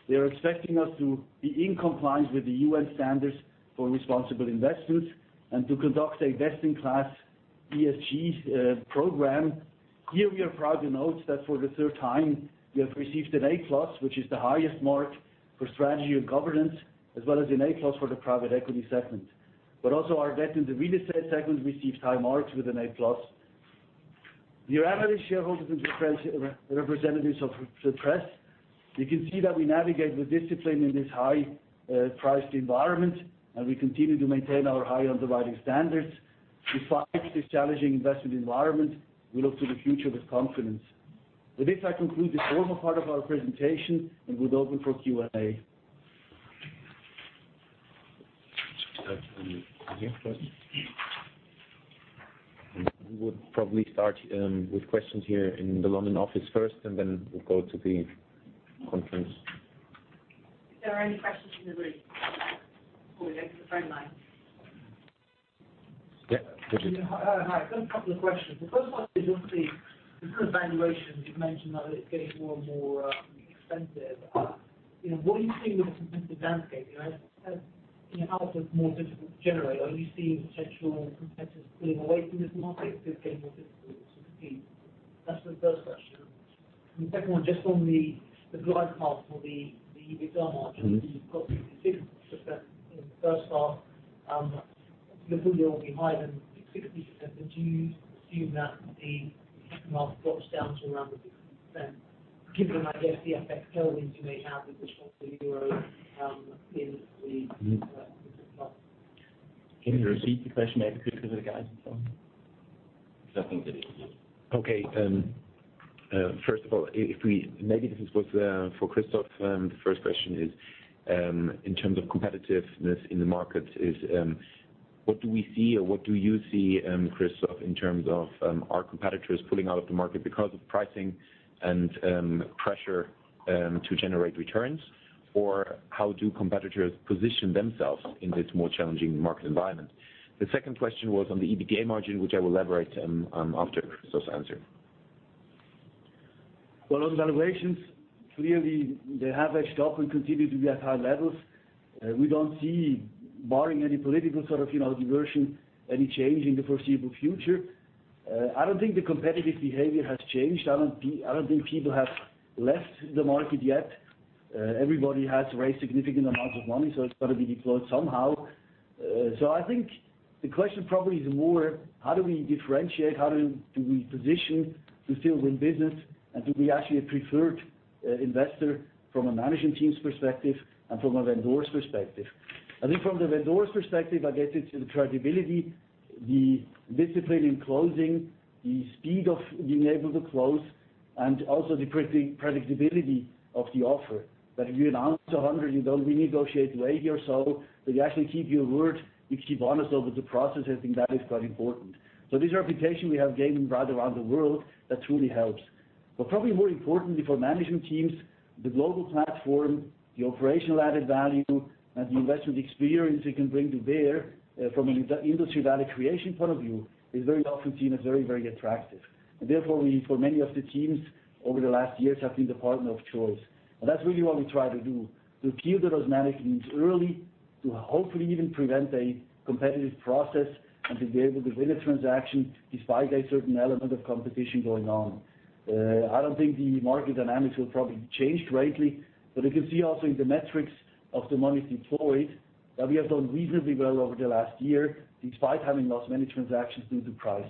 They are expecting us to be in compliance with the UN standards for responsible investments, to conduct a best-in-class ESG program. Here, we are proud to note that for the third time, we have received an A+, which is the highest mark for strategy and governance, as well as an A+ for the private equity segment. Also our debt in the real estate segment received high marks with an A+. Dear analyst, shareholders, representatives of the press, you can see that we navigate with discipline in this high-priced environment, we continue to maintain our high underwriting standards. Despite this challenging investment environment, we look to the future with confidence. With this, I conclude the formal part of our presentation and will open for Q&A. Any questions? We would probably start with questions here in the London office first. Then we'll go to the conference. Is there any questions in the room? Before we go to the phone line. Yeah. Richard. Hi. I've got a couple of questions. The first one is on the valuation. You've mentioned that it's getting more and more expensive. What are you seeing with the competitive landscape? As outputs more difficult to generate, are you seeing potential competitors pulling away from this market because it's getting more difficult to compete? That's the first question. The second one, just on the glide path for the EBITDA margin, you've got the 60% in the first half. Hopefully it'll be higher than 60%, do you assume that the margin drops down to around the 50% given, I guess, the FX tailwinds you may have with the stronger euro in the second half? Can you repeat the question maybe quickly for the guys at home? I think they did, yes. Okay. First of all, maybe this is for Christoph. The first question is, in terms of competitiveness in the market is, what do we see or what do you see, Christoph, in terms of our competitors pulling out of the market because of pricing and pressure to generate returns? Or how do competitors position themselves in this more challenging market environment? The second question was on the EBITDA margin, which I will elaborate on after Christoph's answer. Well, on valuations, clearly they have edged up and continue to be at high levels. We don't see, barring any political sort of diversion, any change in the foreseeable future. I don't think the competitive behavior has changed. I don't think people have left the market yet. Everybody has raised significant amounts of money, it's got to be deployed somehow. I think the question probably is more, how do we differentiate, how do we position to still win business? And do we actually preferred investor from a management team's perspective and from a vendor's perspective? I think from the vendor's perspective, I guess it's the credibility, the discipline in closing, the speed of being able to close, and also the predictability of the offer. That if you announce 100, you don't renegotiate later. That you actually keep your word, you keep honest over the process. I think that is quite important. This reputation we have gained right around the world, that truly helps. Probably more importantly for management teams, the global platform, the operational added value, and the investment experience we can bring to bear from an industry value creation point of view is very often seen as very attractive. Therefore, for many of the teams over the last years, have been the partner of choice. That's really what we try to do, to appeal to those management teams early, to hopefully even prevent a competitive process, and to be able to win a transaction despite a certain element of competition going on. I don't think the market dynamics will probably change greatly, you can see also in the metrics of the money deployed, that we have done reasonably well over the last year despite having lost many transactions due to price.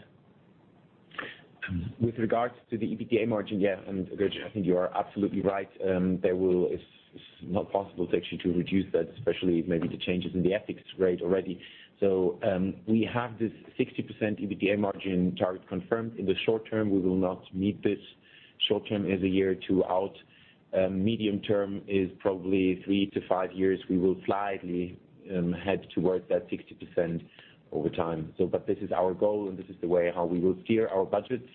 FX rate already. We have this 60% EBITDA margin target confirmed in the short term. We will not meet this short term as a year or two out. Medium term is probably three to five years. We will slightly head towards that 60% over time. This is our goal, and this is the way how we will steer our budgets,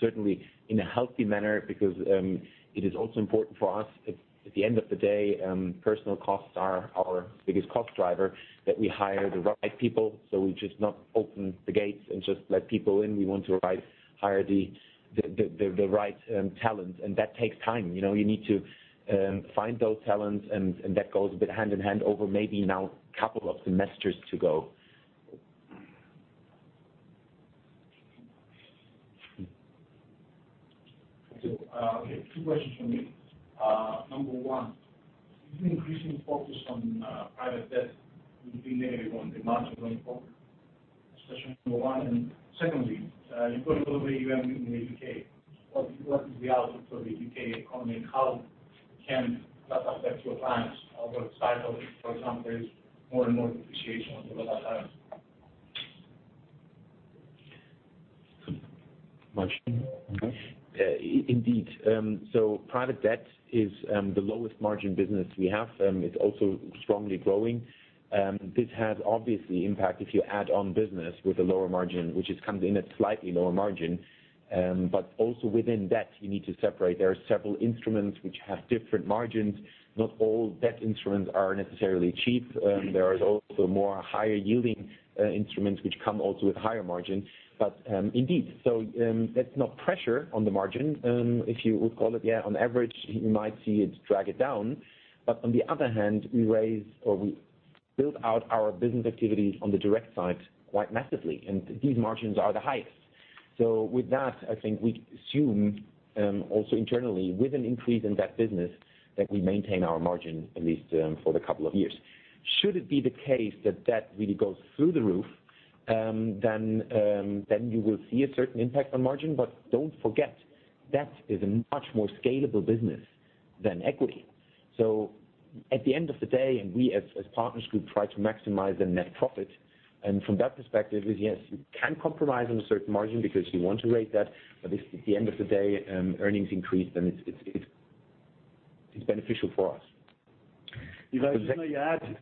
certainly in a healthy manner, because it is also important for us, at the end of the day, personal costs are our biggest cost driver, that we hire the right people. We just not open the gates and just let people in. We want to hire the right talent, and that takes time. You need to find those talents, that goes a bit hand in hand over maybe now couple of semesters to go. Two questions from me. Number one, is the increasing focus on private debt will be negative on the margin going forward? Especially number one. Secondly, you've got a lot of AUM in the U.K. What is the outlook for the U.K. economy? How can that affect your plans? The cycle, for example, is more and more depreciation over that time. Indeed. Private debt is the lowest margin business we have. It's also strongly growing. This has obviously impact if you add on business with a lower margin, which it comes in at slightly lower margin. Also within debt, you need to separate. There are several instruments which have different margins. Not all debt instruments are necessarily cheap. There are also more higher-yielding instruments which come also with higher margins. Indeed, that's not pressure on the margin, if you would call it, on average, you might see it drag it down. On the other hand, we raise or we build out our business activities on the direct side quite massively, and these margins are the highest. With that, I think we assume, also internally, with an increase in that business, that we maintain our margin at least for the couple of years. Should it be the case that that really goes through the roof, you will see a certain impact on margin. Don't forget, debt is a much more scalable business than equity. At the end of the day, we as Partners Group try to maximize the net profit, and from that perspective is yes, you can compromise on a certain margin because you want to rate that. If at the end of the day, earnings increase, then it's beneficial for us. If I may add,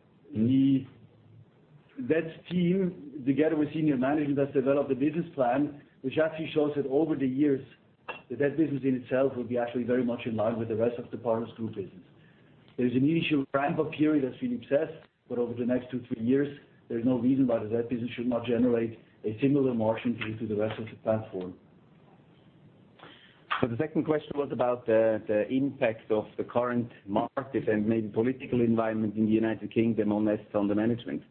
the debt team, together with senior management, has developed a business plan which actually shows that over the years, the debt business in itself will be actually very much in line with the rest of the Partners Group business. There's an initial ramp-up period, as Philipp says, but over the next two, three years, there's no reason why the debt business should not generate a similar margin to the rest of the platform. The second question was about the impact of the current market and maybe political environment in the U.K. on this, on the management.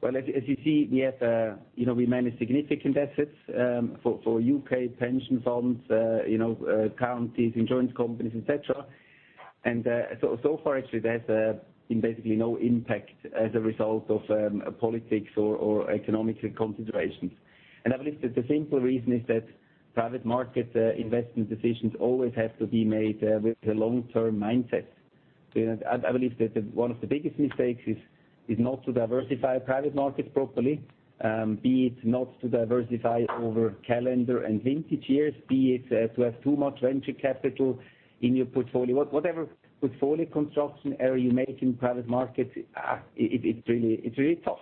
Well, as you see, we manage significant assets for U.K. pension funds, counties, insurance companies, et cetera. So far actually, there's been basically no impact as a result of politics or economic considerations. I believe that the simple reason is that private market investment decisions always have to be made with a long-term mindset. I believe that one of the biggest mistakes is not to diversify private markets properly, be it not to diversify over calendar and vintage years, be it to have too much venture capital in your portfolio. Whatever portfolio construction error you make in private markets, it's really tough.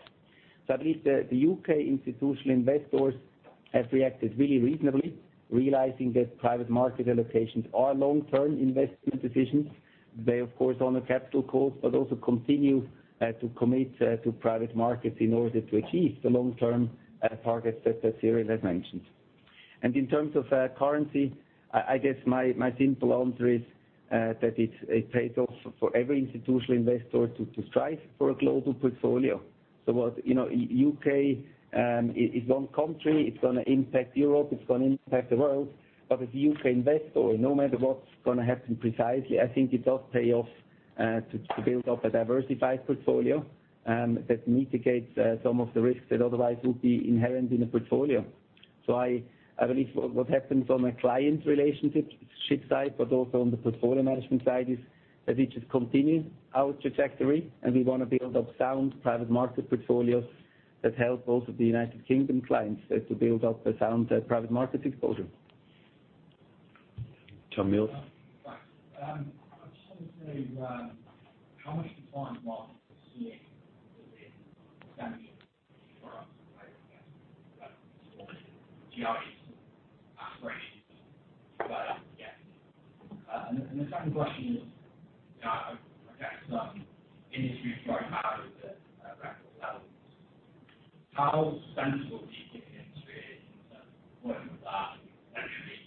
At least the U.K. institutional investors have reacted really reasonably, realizing that private market allocations are long-term investment decisions. They, of course, own a capital cost, but also continue to commit to private markets in order to achieve the long-term targets that Cyrill has mentioned. In terms of currency, I guess my simple answer is that it pays off for every institutional investor to strive for a global portfolio. U.K. is one country, it's going to impact Europe, it's going to impact the world. As a U.K. investor, no matter what's going to happen precisely, I think it does pay off to build up a diversified portfolio that mitigates some of the risks that otherwise would be inherent in a portfolio. I believe what happens on a client relationship side, but also on the portfolio management side, is that we just continue our trajectory, and we want to build up sound private market portfolios that help also the U.K. clients to build up a sound private market exposure. John Mills. Right. I just want to say, [how much do you find markets this year aspiration?] The second question is, I guess industry is growing at record levels. How sensible do you think the industry is in terms of when would that eventually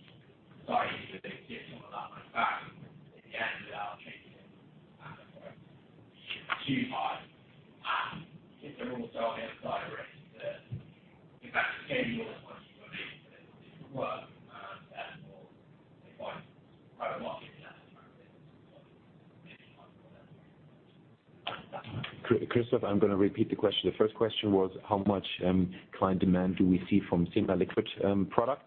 start to get some of that money back again without changing asset price too high? If they're also on the other side of risk that [the best schedule is once you've committed to it will work]. Christoph, I'm going to repeat the question. The first question was how much client demand do we see from semi-liquid products?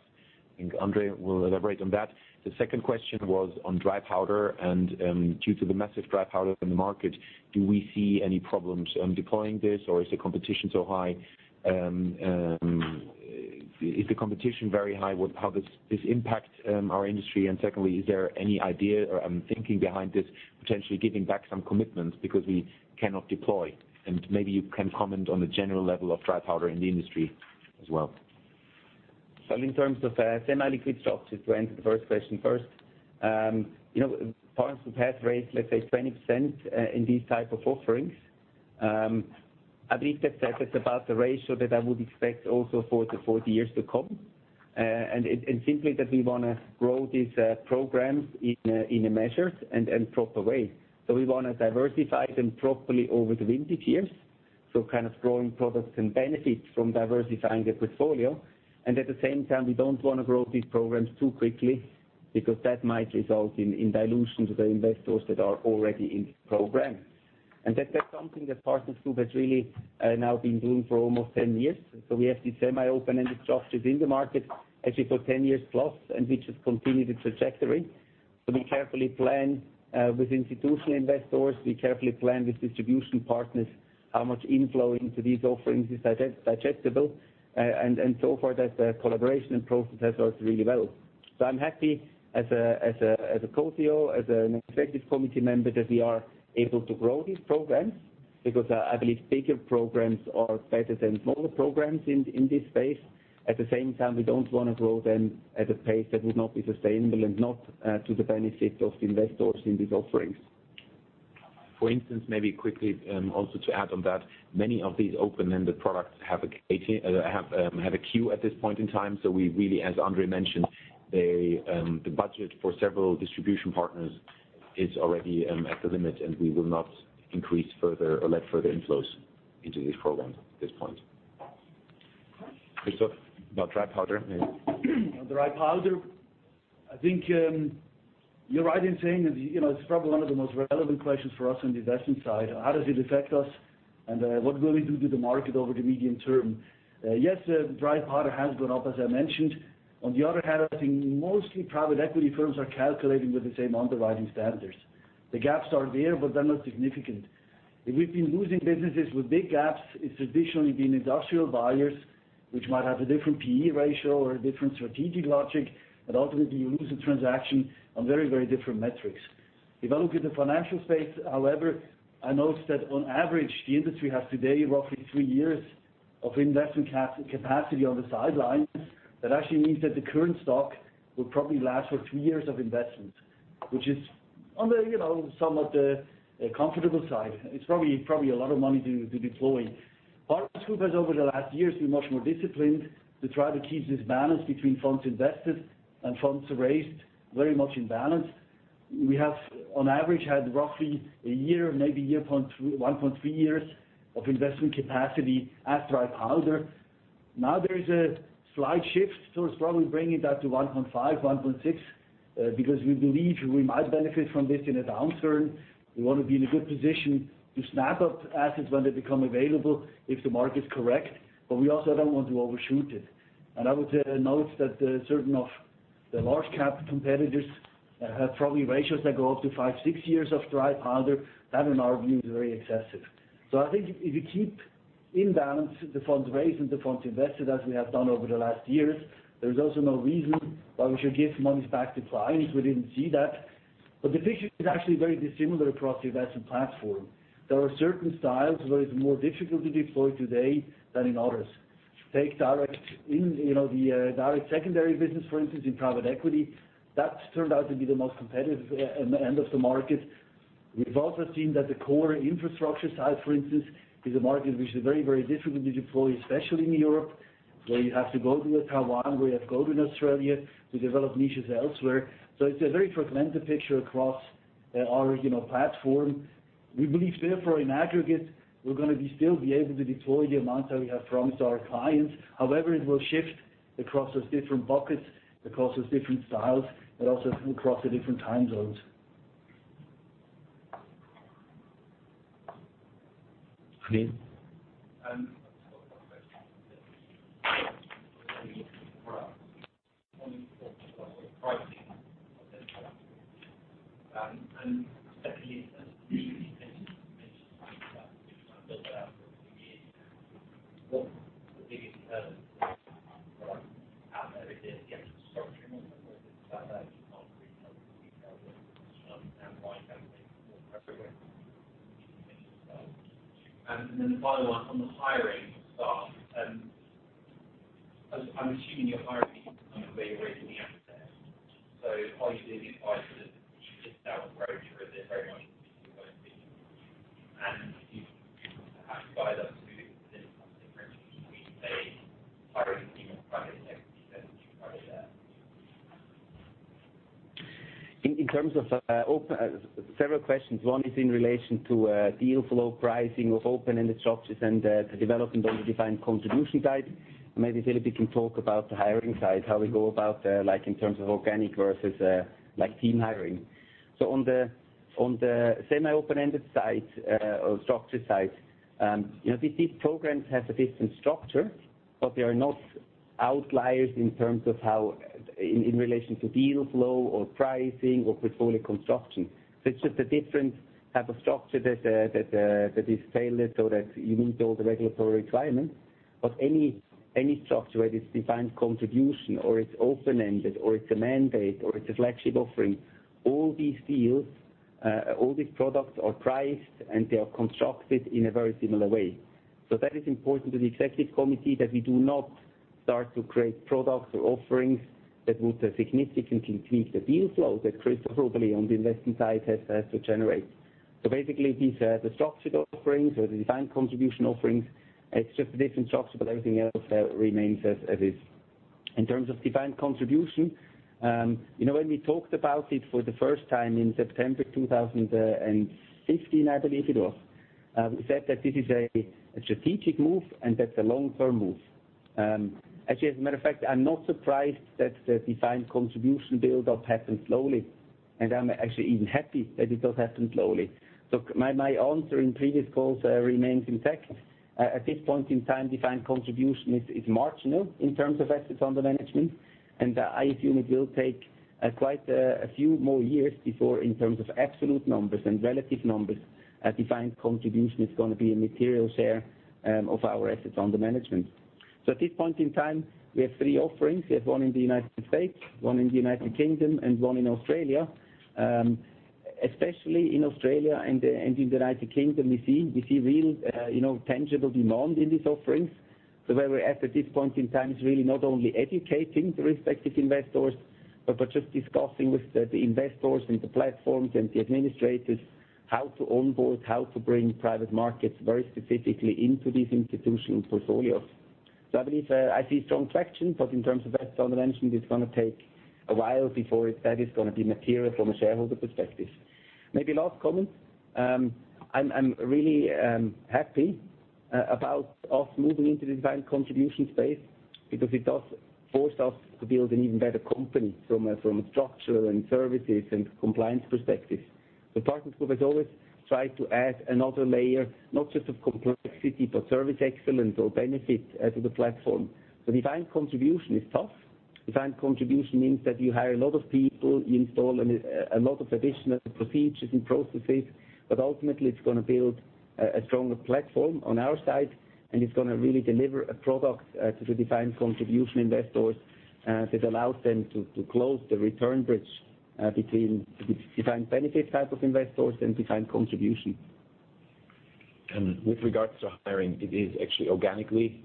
I think Andre will elaborate on that. The second question was on dry powder. Due to the massive dry powder in the market, do we see any problems deploying this, or is the competition so high? If the competition is very high, how does this impact our industry? Secondly, is there any idea or thinking behind this potentially giving back some commitments because we cannot deploy? Maybe you can comment on the general level of dry powder in the industry as well. In terms of semi-liquid stocks, to answer the first question first. Partners Group has raised, let's say, 20% in these types of offerings. I believe that's about the ratio that I would expect also for the 40 years to come. It's simply that we want to grow these programs in a measured and proper way. We want to diversify them properly over the vintage years, kind of growing products can benefit from diversifying the portfolio. At the same time, we don't want to grow these programs too quickly because that might result in dilution to the investors that are already in the program. That's something that Partners Group has really now been doing for almost 10 years. We have these semi-open-ended structures in the market actually for 10 years plus, which has continued its trajectory. We carefully plan with institutional investors, we carefully plan with distribution partners how much inflow into these offerings is digestible, and so far that collaboration and process has worked really well. I'm happy as a co-CEO, as an executive committee member, that we are able to grow these programs because I believe bigger programs are better than smaller programs in this space. At the same time, we don't want to grow them at a pace that would not be sustainable and not to the benefit of investors in these offerings. For instance, maybe quickly also to add on that, many of these open-ended products have a queue at this point in time. We really, as Andre mentioned, the budget for several distribution partners is already at the limit, and we will not increase further or let further inflows into these programs at this point. Christoph, about dry powder? On dry powder, I think you're right in saying that it's probably one of the most relevant questions for us on the investment side. How does it affect us, and what will we do to the market over the medium term? Yes, dry powder has gone up, as I mentioned. On the other hand, I think mostly private equity firms are calculating with the same underwriting standards. The gaps are there, but they're not significant. If we've been losing businesses with big gaps, it's traditionally been industrial buyers which might have a different P/E ratio or a different strategic logic, but ultimately you lose a transaction on very different metrics. If I look at the financial space, however, I notice that on average, the industry has today roughly three years of investment capacity on the sidelines. That actually means that the current stock will probably last for three years of investments, which is on the somewhat comfortable side. It's probably a lot of money to deploy. Partners Group has, over the last years, been much more disciplined to try to keep this balance between funds invested and funds raised very much in balance. We have, on average, had roughly a year, maybe 1.3 years of investment capacity as dry powder. Now there is a slight shift, so it's probably bringing that to 1.5, 1.6, because we believe we might benefit from this in a downturn. We want to be in a good position to snap up assets when they become available if the market is correct, but we also don't want to overshoot it. I would notice that certain of the large cap competitors have probably ratios that go up to five, six years of dry powder. That, in our view, is very excessive. I think if you keep in balance the funds raised and the funds invested as we have done over the last years, there's also no reason why we should give monies back to clients. We didn't see that. The picture is actually very dissimilar across the investment platform. There are certain styles where it's more difficult to deploy today than in others. Take the direct secondary business, for instance, in private equity. That's turned out to be the most competitive end of the market. We've also seen that the core infrastructure side, for instance, is a market which is very difficult to deploy, especially in Europe, where you have to go to Taiwan, where you have to go to Australia to develop niches elsewhere. It's a very fragmented picture across our platform. We believe therefore in aggregate, we're going to be still be able to deploy the amount that we have promised our clients. However, it will shift across those different buckets, across those different styles, but also across the different time zones. Christian? I've just got a couple questions. One is on the pricing of this product. Secondly, in terms of the pension funds that you've built out over the years, now, what's the biggest hurdle out there if you get to the structuring of it? Is that you can't retail the terms of Several questions. One is in relation to deal flow pricing of open-ended structures and the development of the defined contribution side. Maybe Philippe can talk about the hiring side, how we go about in terms of organic versus team hiring. On the semi-open-ended side or structure side, these programs have a different structure, but they are not outliers in terms of how, in relation to deal flow or pricing or portfolio construction. It's just a different type of structure that is tailored so that you meet all the regulatory requirements. Any structure, whether it's defined contribution or it's open-ended or it's a mandate or it's a flagship offering, all these deals, all these products are priced, and they are constructed in a very similar way. That is important to the executive committee, that we do not start to create products or offerings that would significantly tweak the deal flow that Christoph, probably on the investing side, has to generate. Basically, these are the structured offerings or the defined contribution offerings. It's just a different structure, but everything else remains as is. In terms of defined contribution, when we talked about it for the first time in September 2015, I believe it was, we said that this is a strategic move and that's a long-term move. Actually, as a matter of fact, I'm not surprised that the defined contribution buildup happened slowly, and I'm actually even happy that it does happen slowly. My answer in previous calls remains intact. At this point in time, defined contribution is marginal in terms of assets under management, and I assume it will take quite a few more years before, in terms of absolute numbers and relative numbers, a defined contribution is going to be a material share of our assets under management. At this point in time, we have three offerings. We have one in the U.S., one in the U.K., and one in Australia. Especially in Australia and in the U.K., we see real, tangible demand in these offerings. Where we're at this point in time, is really not only educating the respective investors, but just discussing with the investors and the platforms and the administrators how to onboard, how to bring private markets very specifically into these institutional portfolios. I believe I see strong traction, but in terms of asset under management, it's going to take a while before that is going to be material from a shareholder perspective. Maybe last comment, I'm really happy about us moving into the defined contribution space because it does force us to build an even better company from a structure and services and compliance perspective. Partners Group has always tried to add another layer, not just of complexity, but service excellence or benefit to the platform. Defined contribution is tough. Defined contribution means that you hire a lot of people, you install a lot of additional procedures and processes, ultimately, it's going to build a stronger platform on our side, it's going to really deliver a product to the defined contribution investors that allows them to close the return bridge between defined benefit type of investors and defined contribution. With regards to hiring, it is actually organically.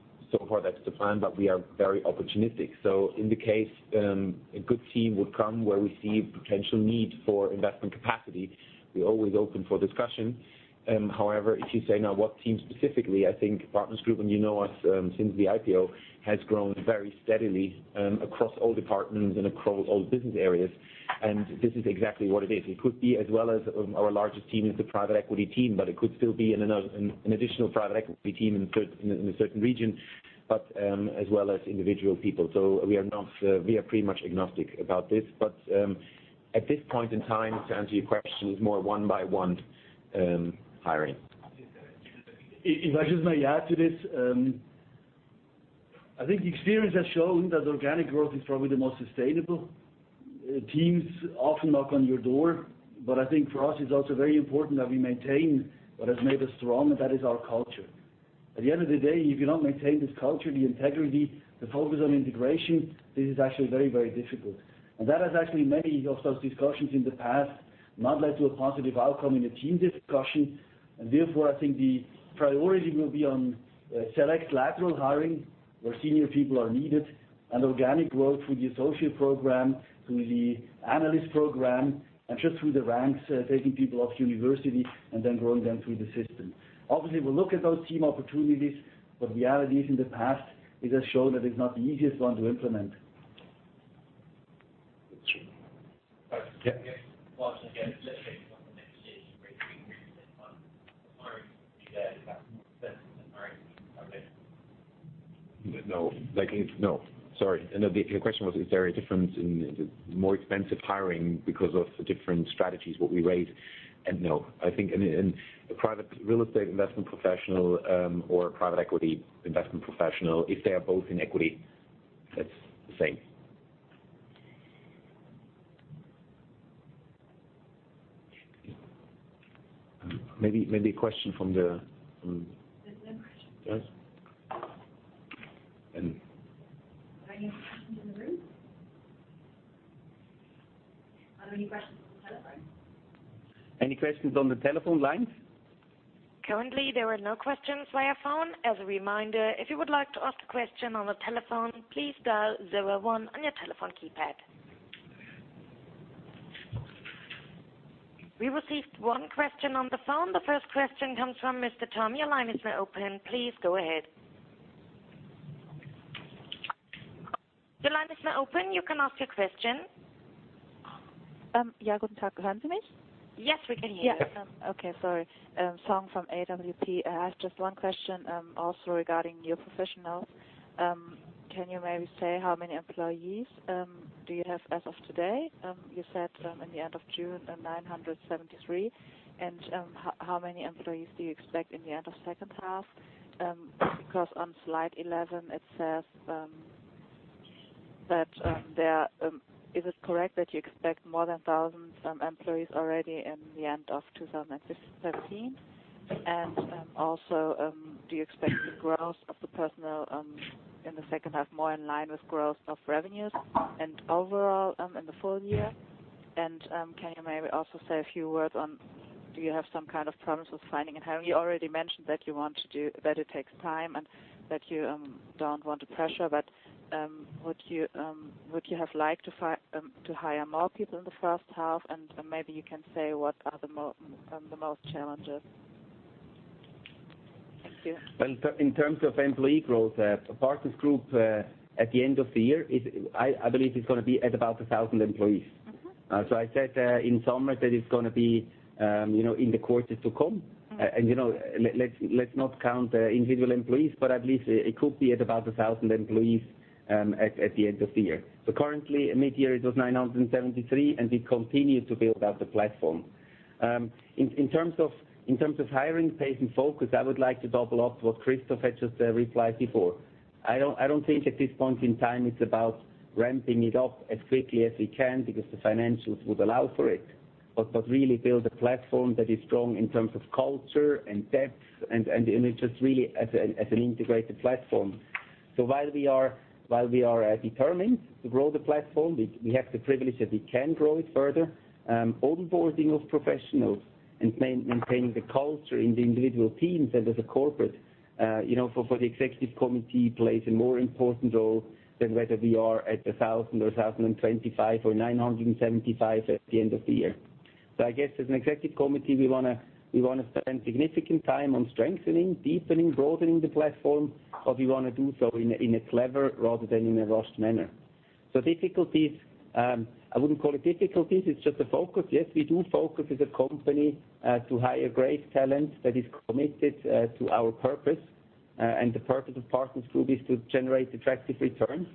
Far, that's the plan, we are very opportunistic. In the case a good team would come where we see potential need for investment capacity, we're always open for discussion. However, if you say now, what team specifically, I think Partners Group, and you know us since the IPO, has grown very steadily across all departments and across all business areas, this is exactly what it is. It could be as well as our largest team is the private equity team, but it could still be an additional private equity team in a certain region, but as well as individual people. We are pretty much agnostic about this. At this point in time, to answer your question, it's more one by one hiring. If I just may add to this. I think experience has shown that organic growth is probably the most sustainable. Teams often knock on your door, I think for us, it's also very important that we maintain what has made us strong, that is our culture. At the end of the day, if you don't maintain this culture, the integrity, the focus on integration, this is actually very difficult. That has actually, many of those discussions in the past not led to a positive outcome in a team discussion, therefore, I think the priority will be on select lateral hiring where senior people are needed organic growth through the associate program, through the analyst program, just through the ranks, taking people off university then growing them through the system. We'll look at those team opportunities, but reality is in the past, it has shown that it's not the easiest one to implement. That's true. I guess, once again, let's say from the next stage where you increase in size, hiring would be there. Is that more expensive than hiring public? No. Sorry. The question was, is there a difference in the more expensive hiring because of the different strategies, what we raise? No. I think in a private real estate investment professional or a private equity investment professional, if they are both in equity, that's the same. There's no questions. Yes. Are there any questions in the room? Are there any questions on the telephone? Any questions on the telephone lines? Currently, there are no questions via phone. As a reminder, if you would like to ask a question on the telephone, please dial 01 on your telephone keypad. We received one question on the phone. The first question comes from Mr. Tom. Your line is now open. Please go ahead. Your line is now open. You can ask your question. Yeah. Guten Tag. Yes, we can hear you. Yes. Okay, sorry. Song from AWP. I have just one question, also regarding new professionals. Can you maybe say how many employees do you have as of today? You said in the end of June, 973. How many employees do you expect in the end of second half? Because on slide 11, it says That is it correct that you expect more than 1,000 employees already in the end of 2013? Do you expect the growth of the personnel in the second half more in line with growth of revenues and overall in the full year? Can you maybe also say a few words on, do you have some kind of problems with finding and hiring? You already mentioned that it takes time and that you don't want the pressure, but would you have liked to hire more people in the first half? Maybe you can say what are the most challenges. Thank you. Well, in terms of employee growth, Partners Group at the end of the year, I believe it's going to be at about 1,000 employees. I said in summary that it's going to be in the quarters to come. Let's not count individual employees, but at least it could be at about 1,000 employees at the end of the year. Currently mid-year it was 973, and we continue to build out the platform. In terms of hiring pace and focus, I would like to double up what Christoph had just replied before. I don't think at this point in time it's about ramping it up as quickly as we can because the financials would allow for it, but really build a platform that is strong in terms of culture and depth and is just really as an integrated platform. While we are determined to grow the platform, we have the privilege that we can grow it further. Onboarding of professionals and maintaining the culture in the individual teams and as a corporate for the Executive Committee plays a more important role than whether we are at 1,000 or 1,025 or 975 at the end of the year. I guess as an Executive Committee, we want to spend significant time on strengthening, deepening, broadening the platform, but we want to do so in a clever rather than in a rushed manner. Difficulties, I wouldn't call it difficulties, it's just a focus. Yes, we do focus as a company to hire great talent that is committed to our purpose. The purpose of Partners Group is to generate attractive returns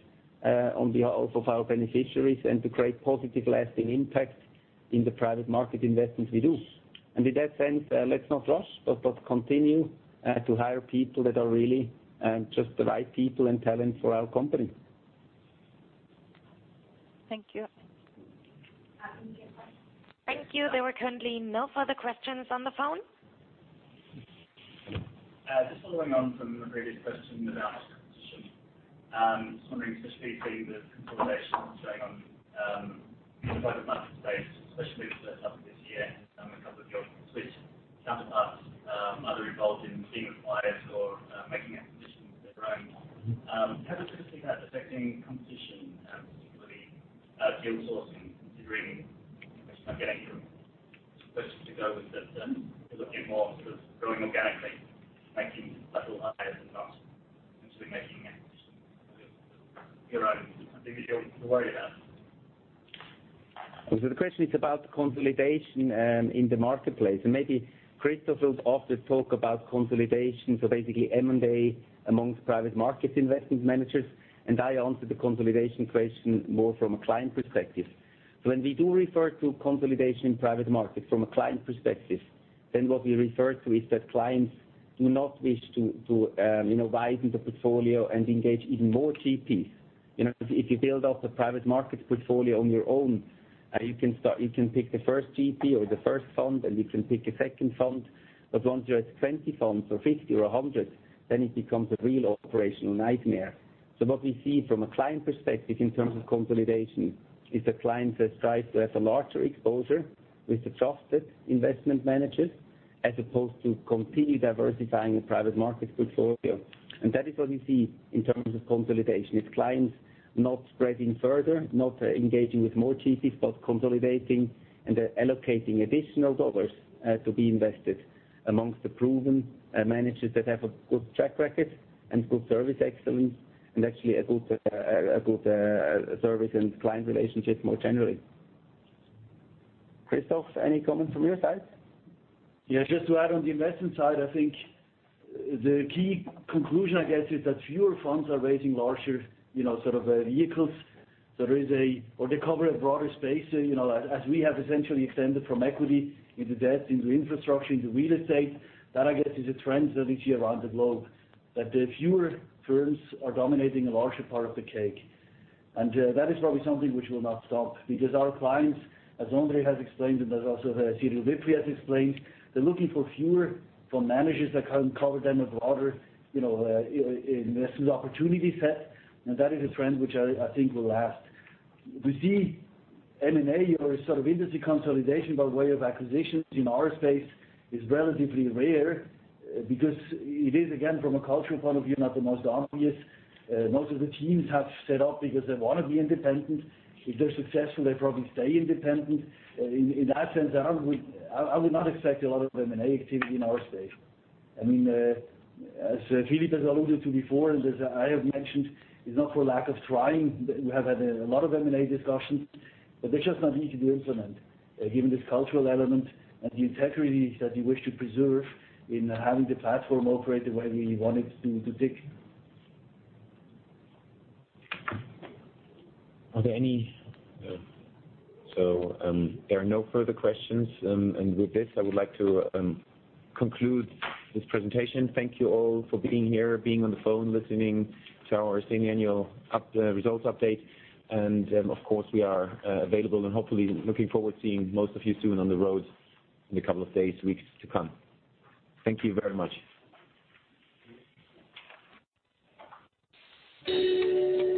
on behalf of our beneficiaries and to create positive lasting impact in the private market investments we do. In that sense, let's not rush, but continue to hire people that are really just the right people and talent for our company. Thank you. Thank you. There were currently no further questions on the phone. Just following on from the previous question about competition. Just wondering, especially seeing the consolidation that's going on in the private market space, especially the first half of this year, a couple of your Swiss counterparts either involved in being acquired or making acquisitions of their own. How do you foresee that affecting competition, particularly deal sourcing, considering, I guess from questions to go with that then you're looking more sort of growing organically, making a little higher than us into making it your own individual to worry about? The question is about consolidation in the marketplace, and maybe Christoph will often talk about consolidation, so basically M&A amongst private markets investment managers, and I answer the consolidation question more from a client perspective. When we do refer to consolidation in private markets from a client perspective, then what we refer to is that clients do not wish to widen the portfolio and engage even more GPs. If you build up the private markets portfolio on your own, you can pick the first GP or the first fund, and you can pick a second fund. Once you have 20 funds or 50 or 100, then it becomes a real operational nightmare. What we see from a client perspective in terms of consolidation is that clients strive to have a larger exposure with trusted investment managers as opposed to completely diversifying the private markets portfolio. That is what we see in terms of consolidation, is clients not spreading further, not engaging with more GPs, but consolidating and allocating additional dollars to be invested amongst the proven managers that have a good track record and good service excellence, and actually a good service and client relationship more generally. Christoph, any comment from your side? Yeah, just to add on the investment side, I think the key conclusion, I guess, is that fewer funds are raising larger sort of vehicles. They cover a broader space, as we have essentially extended from equity into debt, into infrastructure, into real estate. That, I guess, is a trend that we see around the globe, that the fewer firms are dominating a larger part of the cake. That is probably something which will not stop because our clients, as Andre has explained, and as also Cyrill Wipfli has explained, they're looking for fewer fund managers that can cover them a broader investment opportunity set. That is a trend which I think will last. We see M&A or sort of industry consolidation by way of acquisitions in our space is relatively rare because it is, again, from a cultural point of view, not the most obvious. Most of the teams have set up because they want to be independent. If they're successful, they probably stay independent. In that sense, I would not expect a lot of M&A activity in our space. As Philipp has alluded to before, and as I have mentioned, it's not for lack of trying. We have had a lot of M&A discussions, but they're just not easy to implement given this cultural element and the integrity that we wish to preserve in having the platform operate the way we want it to tick. Are there any? No. There are no further questions, and with this, I would like to conclude this presentation. Thank you all for being here, being on the phone, listening to our semi-annual results update. Of course, we are available and hopefully looking forward to seeing most of you soon on the road in a couple of days, weeks to come. Thank you very much.